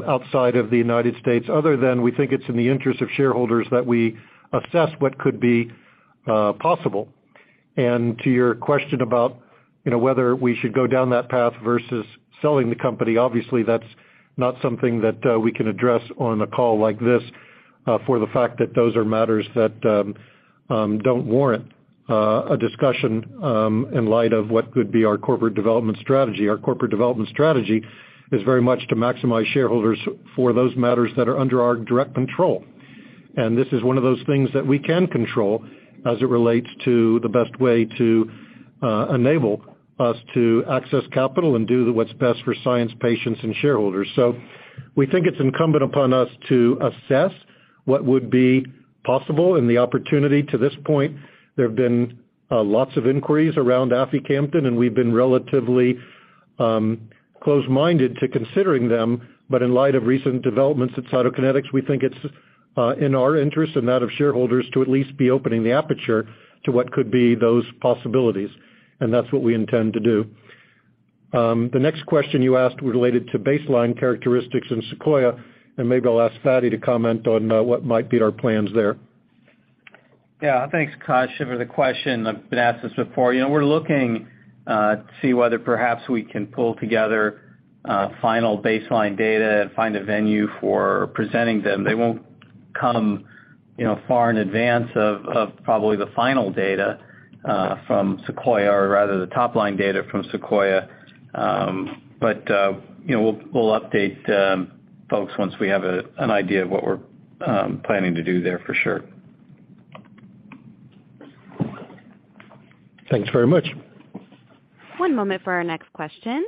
outside of the U.S. other than we think it's in the interest of shareholders that we assess what could be possible. To your question about, you know, whether we should go down that path versus selling the company. Obviously, that's not something that we can address on a call like this, for the fact that those are matters that don't warrant a discussion in light of what could be our corporate development strategy. Our corporate development strategy is very much to maximize shareholders for those matters that are under our direct control. This is one of those things that we can control as it relates to the best way to enable us to access capital and do the what's best for science, patients, and shareholders. We think it's incumbent upon us to assess what would be possible and the opportunity. To this point, there have been lots of inquiries around aficamten, and we've been relatively close-minded to considering them. In light of recent developments at Cytokinetics, we think it's in our interest and that of shareholders to at least be opening the aperture to what could be those possibilities, and that's what we intend to do. The next question you asked related to baseline characteristics in SEQUOIA, and maybe I'll ask Fady to comment on what might be our plans there. Thanks, Akash, for the question. I've been asked this before. You know, we're looking to see whether perhaps we can pull together final baseline data and find a venue for presenting them. They won't come, you know, far in advance of probably the final data from SEQUOIA-HCM or rather the top-line data from SEQUOIA-HCM. You know, we'll update folks once we have an idea of what we're planning to do there for sure. Thanks very much. One moment for our next question.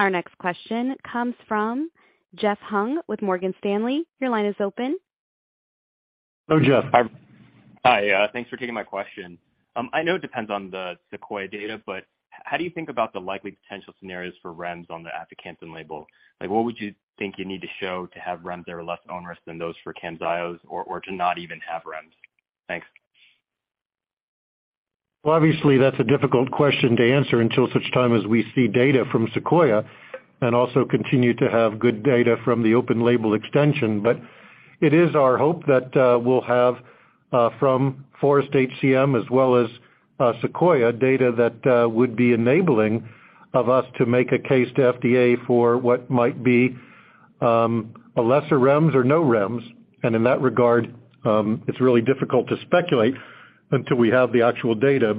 Our next question comes from Jeff Hung with Morgan Stanley. Your line is open. Go, Jeff. Hi. Thanks for taking my question. I know it depends on the SEQUOIA-HCM data, but how do you think about the likely potential scenarios for REMS on the aficamten label? Like, what would you think you need to show to have REMS that are less onerous than those for Camzyos or to not even have REMS? Thanks. Well, obviously, that's a difficult question to answer until such time as we see data from SEQUOIA and also continue to have good data from the open label extension. It is our hope that we'll have from FOREST-HCM as well as SEQUOIA data that would be enabling of us to make a case to FDA for what might be a lesser REMS or no REMS. In that regard, it's really difficult to speculate until we have the actual data.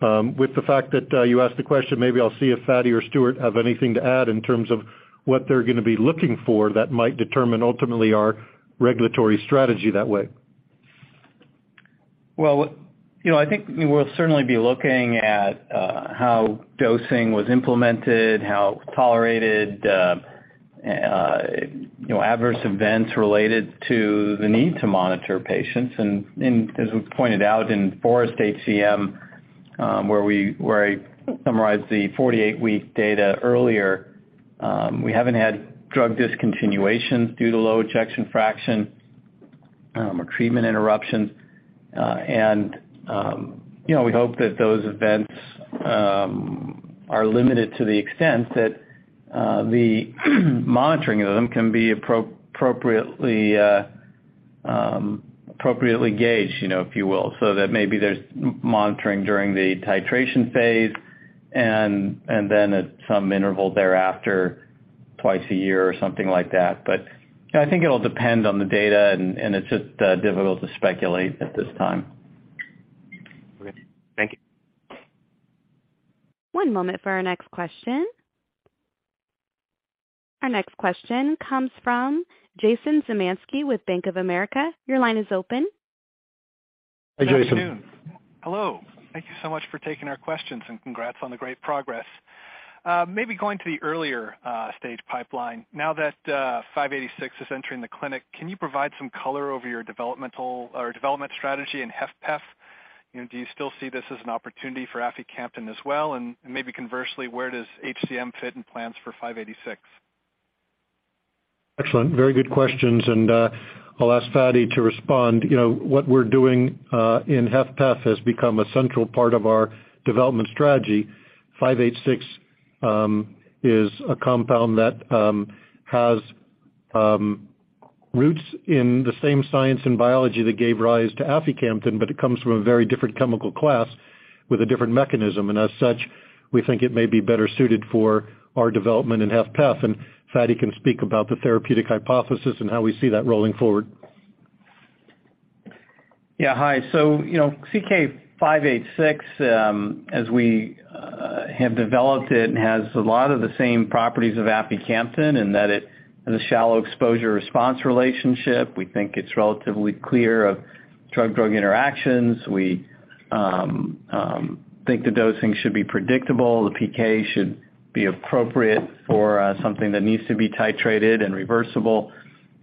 With the fact that you asked the question, maybe I'll see if Fady or Stuart have anything to add in terms of what they're gonna be looking for that might determine ultimately our regulatory strategy that way. You know, I think we'll certainly be looking at how dosing was implemented, how tolerated, you know, adverse events related to the need to monitor patients. As was pointed out in FOREST-HCM, where I summarized the 48-week data earlier, we haven't had drug discontinuation due to low ejection fraction or treatment interruptions. You know, we hope that those events are limited to the extent that the monitoring of them can be appropriately gauged, you know, if you will. Maybe there's monitoring during the titration phase then at some interval thereafter, twice a year or something like that. You know, I think it'll depend on the data and it's just difficult to speculate at this time. Okay. Thank you. One moment for our next question. Our next question comes from Jason Zemansky with Bank of America. Your line is open. Hi, Jason. Good afternoon. Hello. Thank you so much for taking our questions, and congrats on the great progress. maybe going to the earlier stage pipeline. Now that 586 is entering the clinic, can you provide some color over your developmental or development strategy in HFpEF? You know, do you still see this as an opportunity for aficamten as well? maybe conversely, where does HCM fit in plans for 586? Excellent. Very good questions, and I'll ask Fady to respond. You know, what we're doing in HFpEF has become a central part of our development strategy. CK-586 is a compound that has roots in the same science and biology that gave rise to aficamten, but it comes from a very different chemical class with a different mechanism. As such, we think it may be better suited for our development in HFpEF. Fady can speak about the therapeutic hypothesis and how we see that rolling forward. Yeah. Hi. You know, CK-586, as we have developed it and has a lot of the same properties of aficamten and that it has a shallow exposure-response relationship. We think it's relatively clear of drug-drug interactions. We think the dosing should be predictable. The PK should be appropriate for something that needs to be titrated and reversible.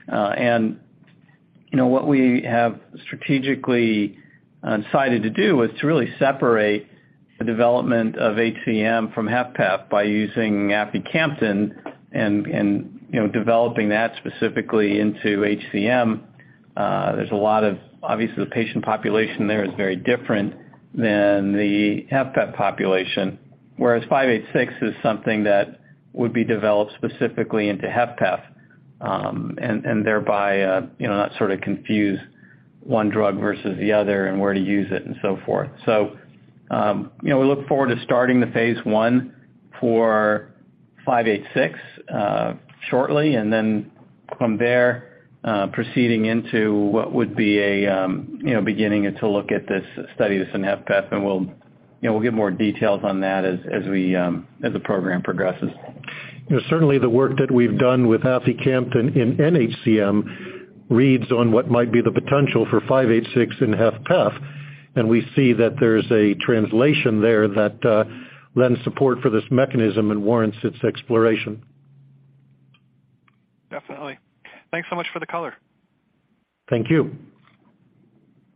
You know, what we have strategically decided to do was to really separate the development of HCM from HFpEF by using aficamten and, you know, developing that specifically into HCM. There's a lot of... Obviously, the patient population there is very different than the HFpEF population, whereas 586 is something that would be developed specifically into HFpEF. Thereby, you know, not sort of confuse one drug versus the other and where to use it and so forth. You know, we look forward to starting the phase I for 586 shortly, then from there, proceeding into what would be a, you know, beginning to look at this study of HFpEF, and we'll, you know, we'll give more details on that as we, as the program progresses. You know, certainly the work that we've done with aficamten in nHCM reads on what might be the potential for 586 in HFpEF. We see that there's a translation there that lends support for this mechanism and warrants its exploration. Definitely. Thanks so much for the color. Thank you.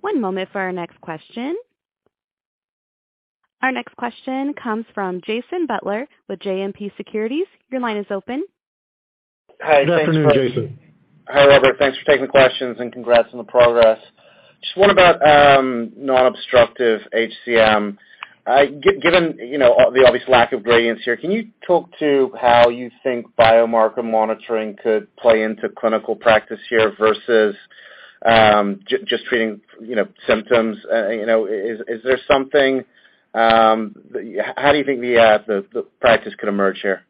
One moment for our next question. Our next question comes from Jason Butler with JMP Securities. Your line is open. Hi. Thanks for- Good afternoon, Jason. Hi, Robert. Thanks for taking questions, and congrats on the progress. Just what about non-obstructive HCM? Given, you know, the obvious lack of gradients here, can you talk to how you think biomarker monitoring could play into clinical practice here versus just treating, you know, symptoms? You know, is there something? How do you think the practice could emerge here?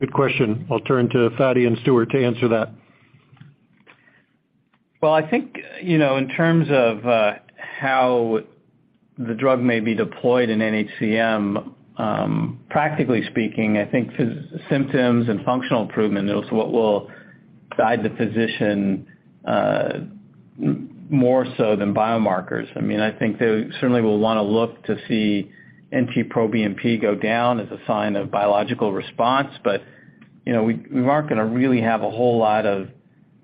Good question. I'll turn to Fady and Stuart to answer that. Well, I think, you know, in terms of how the drug may be deployed in oHCM, practically speaking, I think symptoms and functional improvement, those are what will guide the physician more so than biomarkers. I mean, I think they certainly will wanna look to see NT-proBNP go down as a sign of biological response. you know, we aren't gonna really have a whole lot of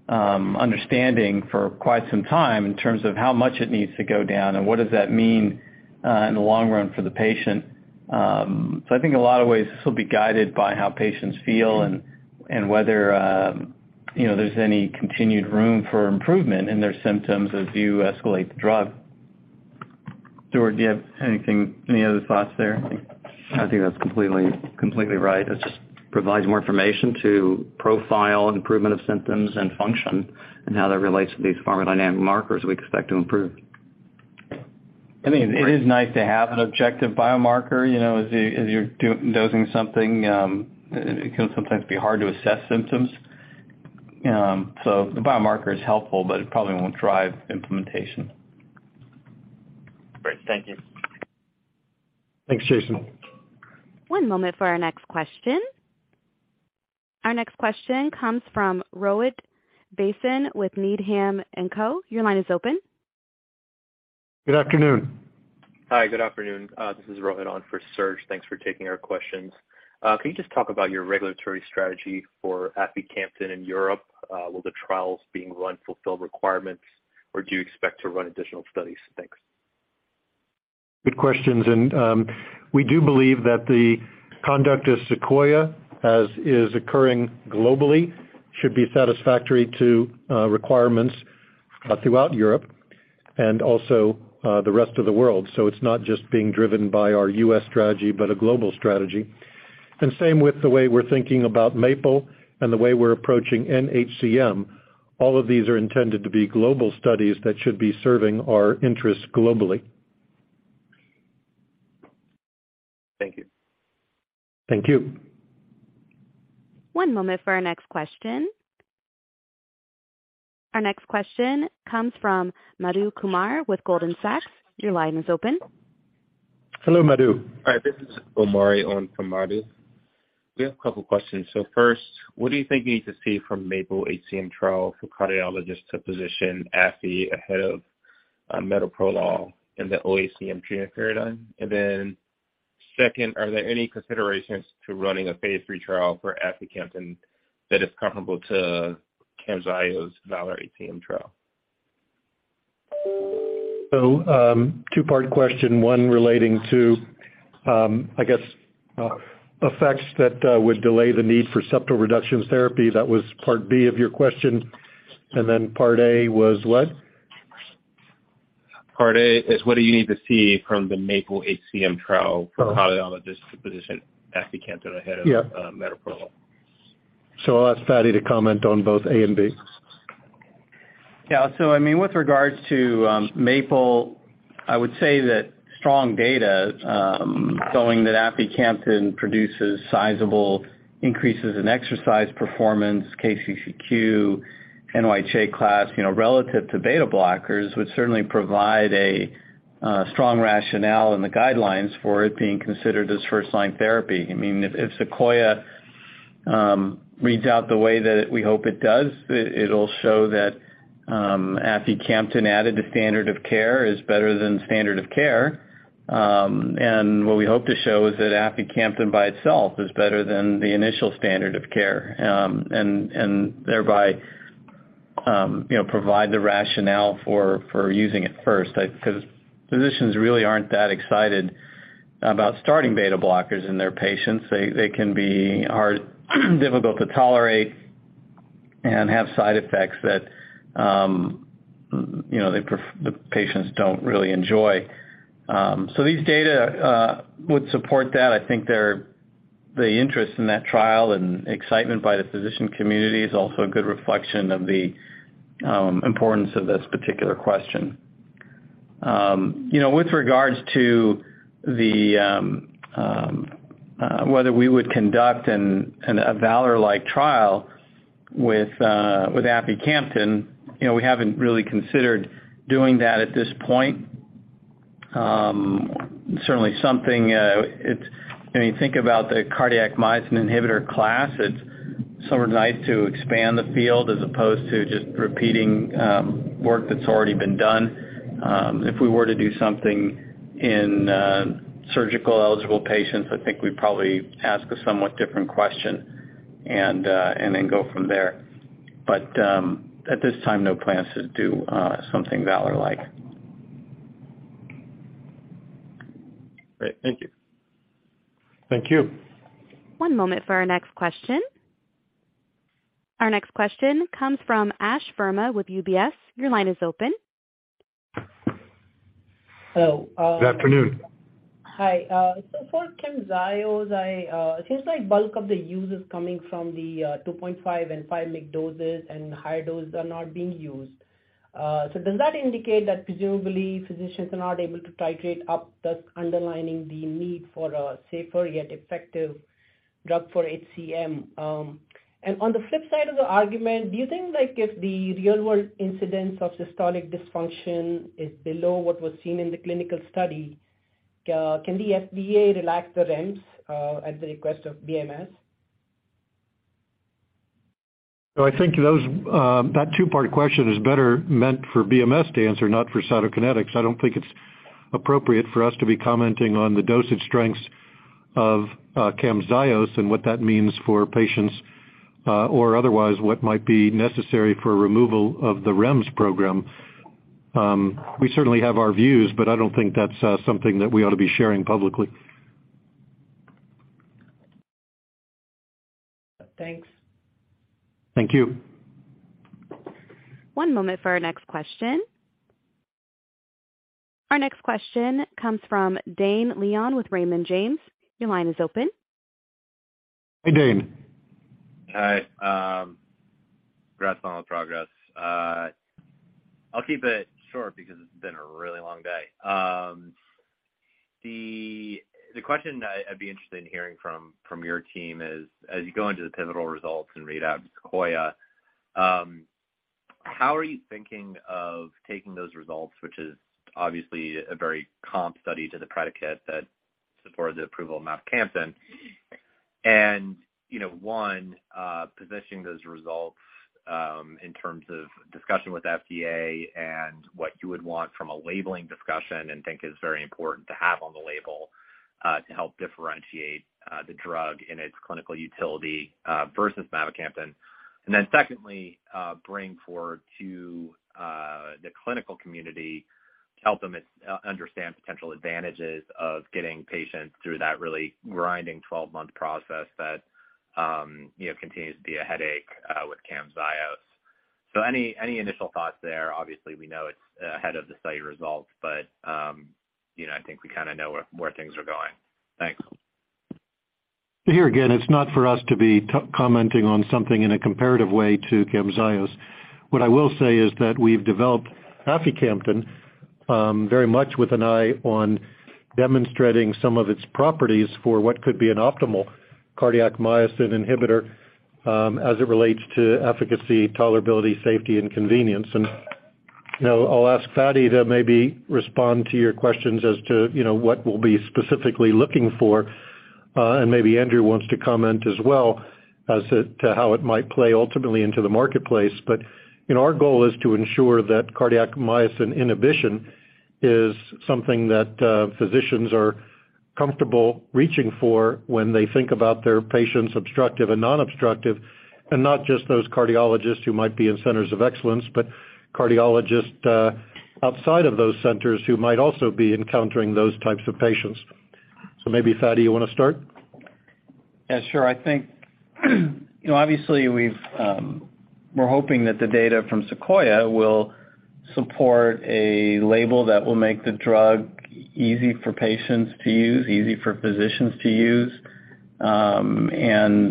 understanding for quite some time in terms of how much it needs to go down and what does that mean in the long run for the patient. I think in a lot of ways this will be guided by how patients feel and whether, you know, there's any continued room for improvement in their symptoms as you escalate the drug. Stuart, do you have anything, any other thoughts there? I think that's completely right. It just provides more information to profile improvement of symptoms and function and how that relates to these pharmacodynamic markers we expect to improve. I mean, it is nice to have an objective biomarker, you know, as you're dosing something. It can sometimes be hard to assess symptoms. The biomarker is helpful, but it probably won't drive implementation. Great. Thank you. Thanks, Jason. One moment for our next question. Our next question comes from Rohit Bhasin with Needham & Company. Your line is open. Good afternoon. Hi. Good afternoon. This is Rohit on for Serge. Thanks for taking our questions. Can you just talk about your regulatory strategy for aficamten in Europe? Will the trials being run fulfill requirements, or do you expect to run additional studies? Thanks. Good questions. We do believe that the conduct of SEQUOIA, as is occurring globally, should be satisfactory to requirements throughout Europe and also the rest of the world. It's not just being driven by our U.S. strategy, but a global strategy. Same with the way we're thinking about MAPLE and the way we're approaching nHCM. All of these are intended to be global studies that should be serving our interests globally. Thank you. Thank you. One moment for our next question. Our next question comes from Madhu Kumar with Goldman Sachs. Your line is open. Hello, Madhu. Hi. This is Omari on for Madhu. We have a couple questions. First, what do you think you need to see from MAPLE-HCM trial for cardiologists to position aficamten ahead of metoprolol in the oHCM treatment paradigm? Second, are there any considerations to running a phase III trial for aficamten that is comparable to Camzyos' VALOR-HCM trial? Two part question. One relating to, I guess, effects that would delay the need for septal reduction therapy. That was part B of your question. Part A was what? Part A is what do you need to see from the MAPLE-HCM trial for cardiologists to position aficamten ahead of-? Yeah. metoprolol? I'll ask Fady to comment on both A and B. I mean, with regards to, MAPLE, I would say that strong data, showing that aficamten produces sizable increases in exercise performance, KCCQ, NYHA class, you know, relative to beta blockers, would certainly provide a strong rationale in the guidelines for it being considered as first-line therapy. I mean, if SEQUOIA, reads out the way that we hope it does, it'll show that aficamten added to standard of care is better than standard of care. What we hope to show is that aficamten by itself is better than the initial standard of care, and thereby, you know, provide the rationale for using it first. 'Cause physicians really aren't that excited about starting beta blockers in their patients. They can be hard difficult to tolerate and have side effects that, you know, the patients don't really enjoy. These data would support that. I think the interest in that trial and excitement by the physician community is also a good reflection of the importance of this particular question. You know, with regards to the whether we would conduct a VALOR-like trial with aficamten, you know, we haven't really considered doing that at this point. Certainly something, When you think about the cardiac myosin inhibitor class, it's sometimes to expand the field as opposed to just repeating work that's already been done. If we were to do something in surgical-eligible patients, I think we'd probably ask a somewhat different question and then go from there. At this time, no plans to do something VALOR-like. Great. Thank you. Thank you. One moment for our next question. Our next question comes from Ash Verma with UBS. Your line is open. Hello. Good afternoon. Hi. For Camzyos, it seems like bulk of the use is coming from the 2.5 and 5 mg doses, and higher doses are not being used. Does that indicate that presumably physicians are not able to titrate up, thus underlining the need for a safer yet effective drug for HCM? On the flip side of the argument, do you think like if the real world incidence of systolic dysfunction is below what was seen in the clinical study, can the FDA relax the REMS at the request of BMS? I think those, that two-part question is better meant for BMS to answer, not for Cytokinetics. I don't think it's appropriate for us to be commenting on the dosage strengths of Camzyos and what that means for patients, or otherwise what might be necessary for removal of the REMS program. We certainly have our views, but I don't think that's something that we ought to be sharing publicly. Thanks. Thank you. One moment for our next question. Our next question comes from Dane Leone with Raymond James. Your line is open. Hi, Dane. Hi. congrats on the progress. I'll keep it short because it's been a really long day. The question I'd be interested in hearing from your team is, as you go into the pivotal results and read out SEQUOIA, how are you thinking of taking those results, which is obviously a very comp study to the predicate that supported the approval of mavacamten and, you know, one, positioning those results, in terms of discussion with FDA and what you would want from a labeling discussion and think is very important to have on the label, to help differentiate, the drug and its clinical utility, versus mavacamten. Secondly, bring forward to the clinical community to help them understand potential advantages of getting patients through that really grinding 12-month process that, you know, continues to be a headache with Camzyos. Any initial thoughts there? Obviously, we know it's ahead of the study results, but, you know, I think we kinda know where things are going. Thanks. Here again, it's not for us to be co-commenting on something in a comparative way to Camzyos. What I will say is that we've developed aficamten very much with an eye on demonstrating some of its properties for what could be an optimal cardiac myosin inhibitor as it relates to efficacy, tolerability, safety, and convenience. You know, I'll ask Fady to maybe respond to your questions as to, you know, what we'll be specifically looking for, and maybe Andrew wants to comment as well as to how it might play ultimately into the marketplace. You know, our goal is to ensure that cardiac myosin inhibition is something that physicians are comfortable reaching for when they think about their patients, obstructive and non-obstructive, and not just those cardiologists who might be in centers of excellence, but cardiologists outside of those centers who might also be encountering those types of patients. Maybe, Fady, you wanna start? Yeah, sure. I think, you know, obviously, we've, we're hoping that the data from SEQUOIA will support a label that will make the drug easy for patients to use, easy for physicians to use, and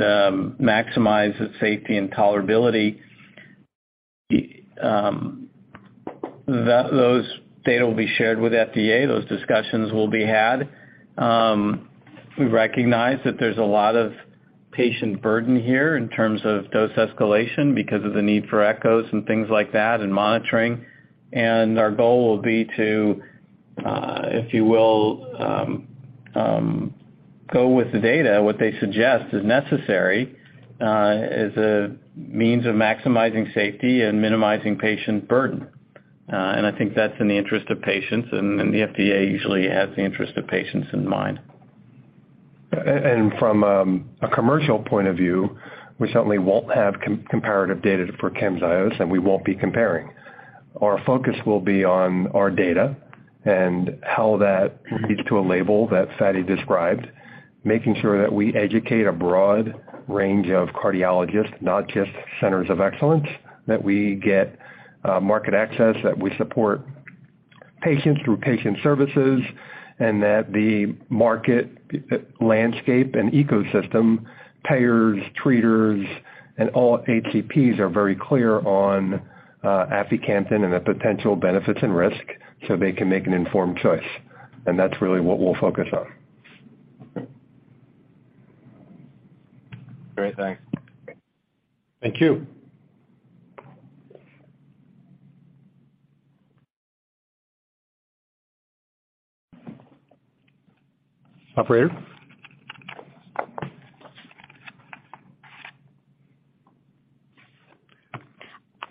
maximize its safety and tolerability. Those data will be shared with FDA. Those discussions will be had. We recognize that there's a lot of patient burden here in terms of dose escalation because of the need for echoes and things like that and monitoring. Our goal will be to, if you will, go with the data, what they suggest is necessary, as a means of maximizing safety and minimizing patient burden. I think that's in the interest of patients, and the FDA usually has the interest of patients in mind. From, a commercial point of view, we certainly won't have comparative data for Camzyos, and we won't be comparing. Our focus will be on our data. How that leads to a label that Fady described, making sure that we educate a broad range of cardiologists, not just centers of excellence, that we get market access, that we support patients through patient services, and that the market landscape and ecosystem payers, treaters and all HCPs are very clear on aficamten and the potential benefits and risk, so they can make an informed choice. That's really what we'll focus on. Great. Thanks. Thank you. Operator?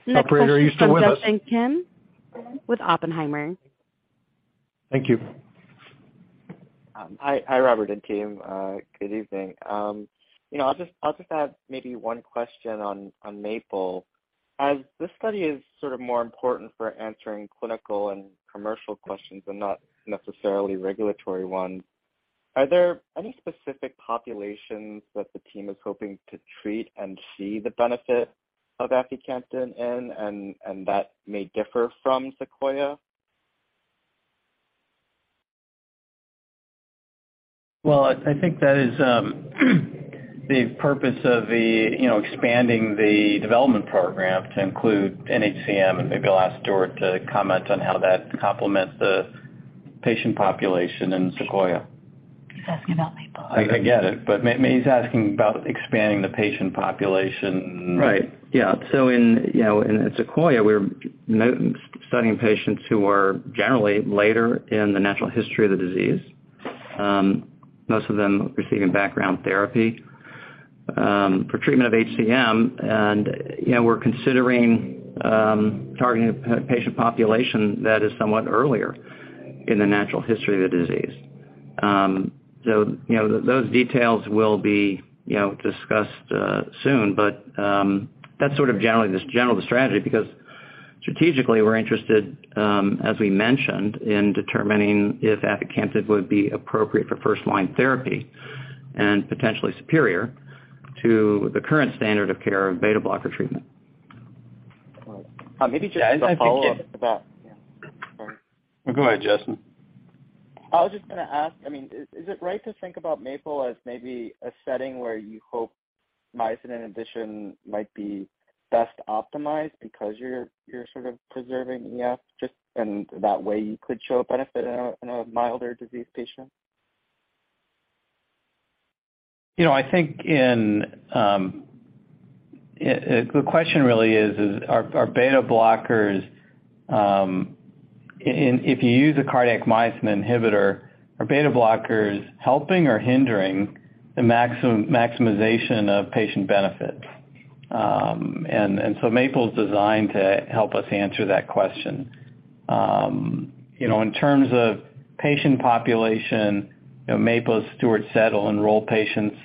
Next question comes from Justin Kim with Oppenheimer. Thank you. Hi Robert and team. Good evening. You know, I'll just add maybe one question on MAPLE-HCM. As this study is sort of more important for answering clinical and commercial questions and not necessarily regulatory ones, are there any specific populations that the team is hoping to treat and see the benefit of aficamten in and that may differ from SEQUOIA-HCM? I think that is, the purpose of the, you know, expanding the development program to include nHCM, and maybe I'll ask Stuart to comment on how that complements the patient population in SEQUOIA. He's asking about MAPLE. I get it, but maybe he's asking about expanding the patient population. Right. Yeah. In, you know, in SEQUOIA, we're studying patients who are generally later in the natural history of the disease, most of them receiving background therapy, for treatment of HCM. You know, we're considering targeting a patient population that is somewhat earlier in the natural history of the disease. You know, those details will be, you know, discussed, soon. That's sort of generally this general strategy because strategically we're interested, as we mentioned, in determining if aficamten would be appropriate for first line therapy and potentially superior to the current standard of care, beta blocker treatment. All right. maybe just a follow-up about- Go ahead, Justin. I was just gonna ask, I mean, is it right to think about MAPLE as maybe a setting where you hope myosin inhibition might be best optimized because you're sort of preserving EF, just, and that way you could show a benefit in a milder disease patient? You know, I think in. The question really is, are beta blockers, if you use a cardiac myosin inhibitor, are beta blockers helping or hindering the maximization of patient benefits? MAPLE is designed to help us answer that question. You know, in terms of patient population, you know, MAPLE, Stuart said, will enroll patients,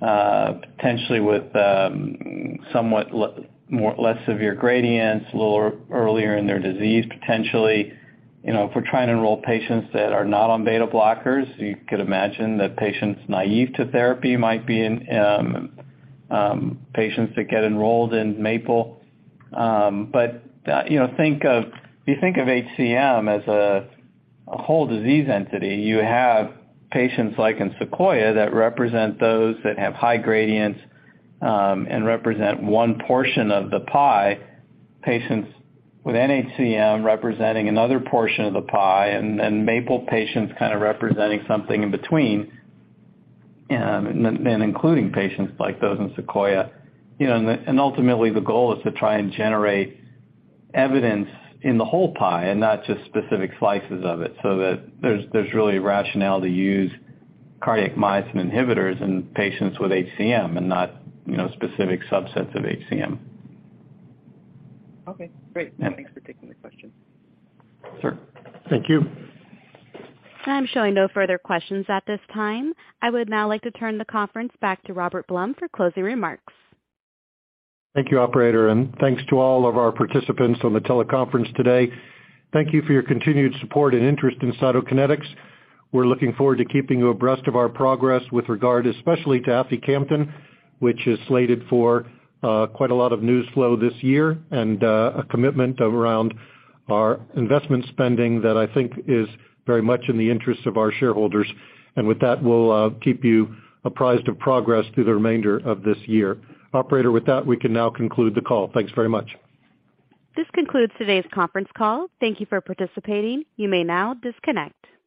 potentially with, somewhat less severe gradients a little earlier in their disease, potentially. You know, if we're trying to enroll patients that are not on beta blockers, you could imagine that patients naive to therapy might be in patients that get enrolled in MAPLE. You know, think of... If you think of HCM as a whole disease entity, you have patients like in SEQUOIA that represent those that have high gradients, and represent one portion of the pie. Patients with nHCM representing another portion of the pie, and then MAPLE patients kind of representing something in between, and including patients like those in SEQUOIA. You know, and ultimately the goal is to try and generate evidence in the whole pie and not just specific slices of it so that there's really a rationale to use cardiac myosin inhibitors in patients with HCM and not, you know, specific subsets of HCM. Okay, great. Yeah. Thanks for taking the question. Sure. Thank you. I'm showing no further questions at this time. I would now like to turn the conference back to Robert Blum for closing remarks. Thank you, operator. Thanks to all of our participants on the teleconference today. Thank you for your continued support and interest in Cytokinetics. We're looking forward to keeping you abreast of our progress with regard especially to aficamten, which is slated for quite a lot of news flow this year, and a commitment around our investment spending that I think is very much in the interest of our shareholders. With that, we'll keep you apprised of progress through the remainder of this year. Operator, with that, we can now conclude the call. Thanks very much. This concludes today's conference call. Thank you for participating. You may now disconnect.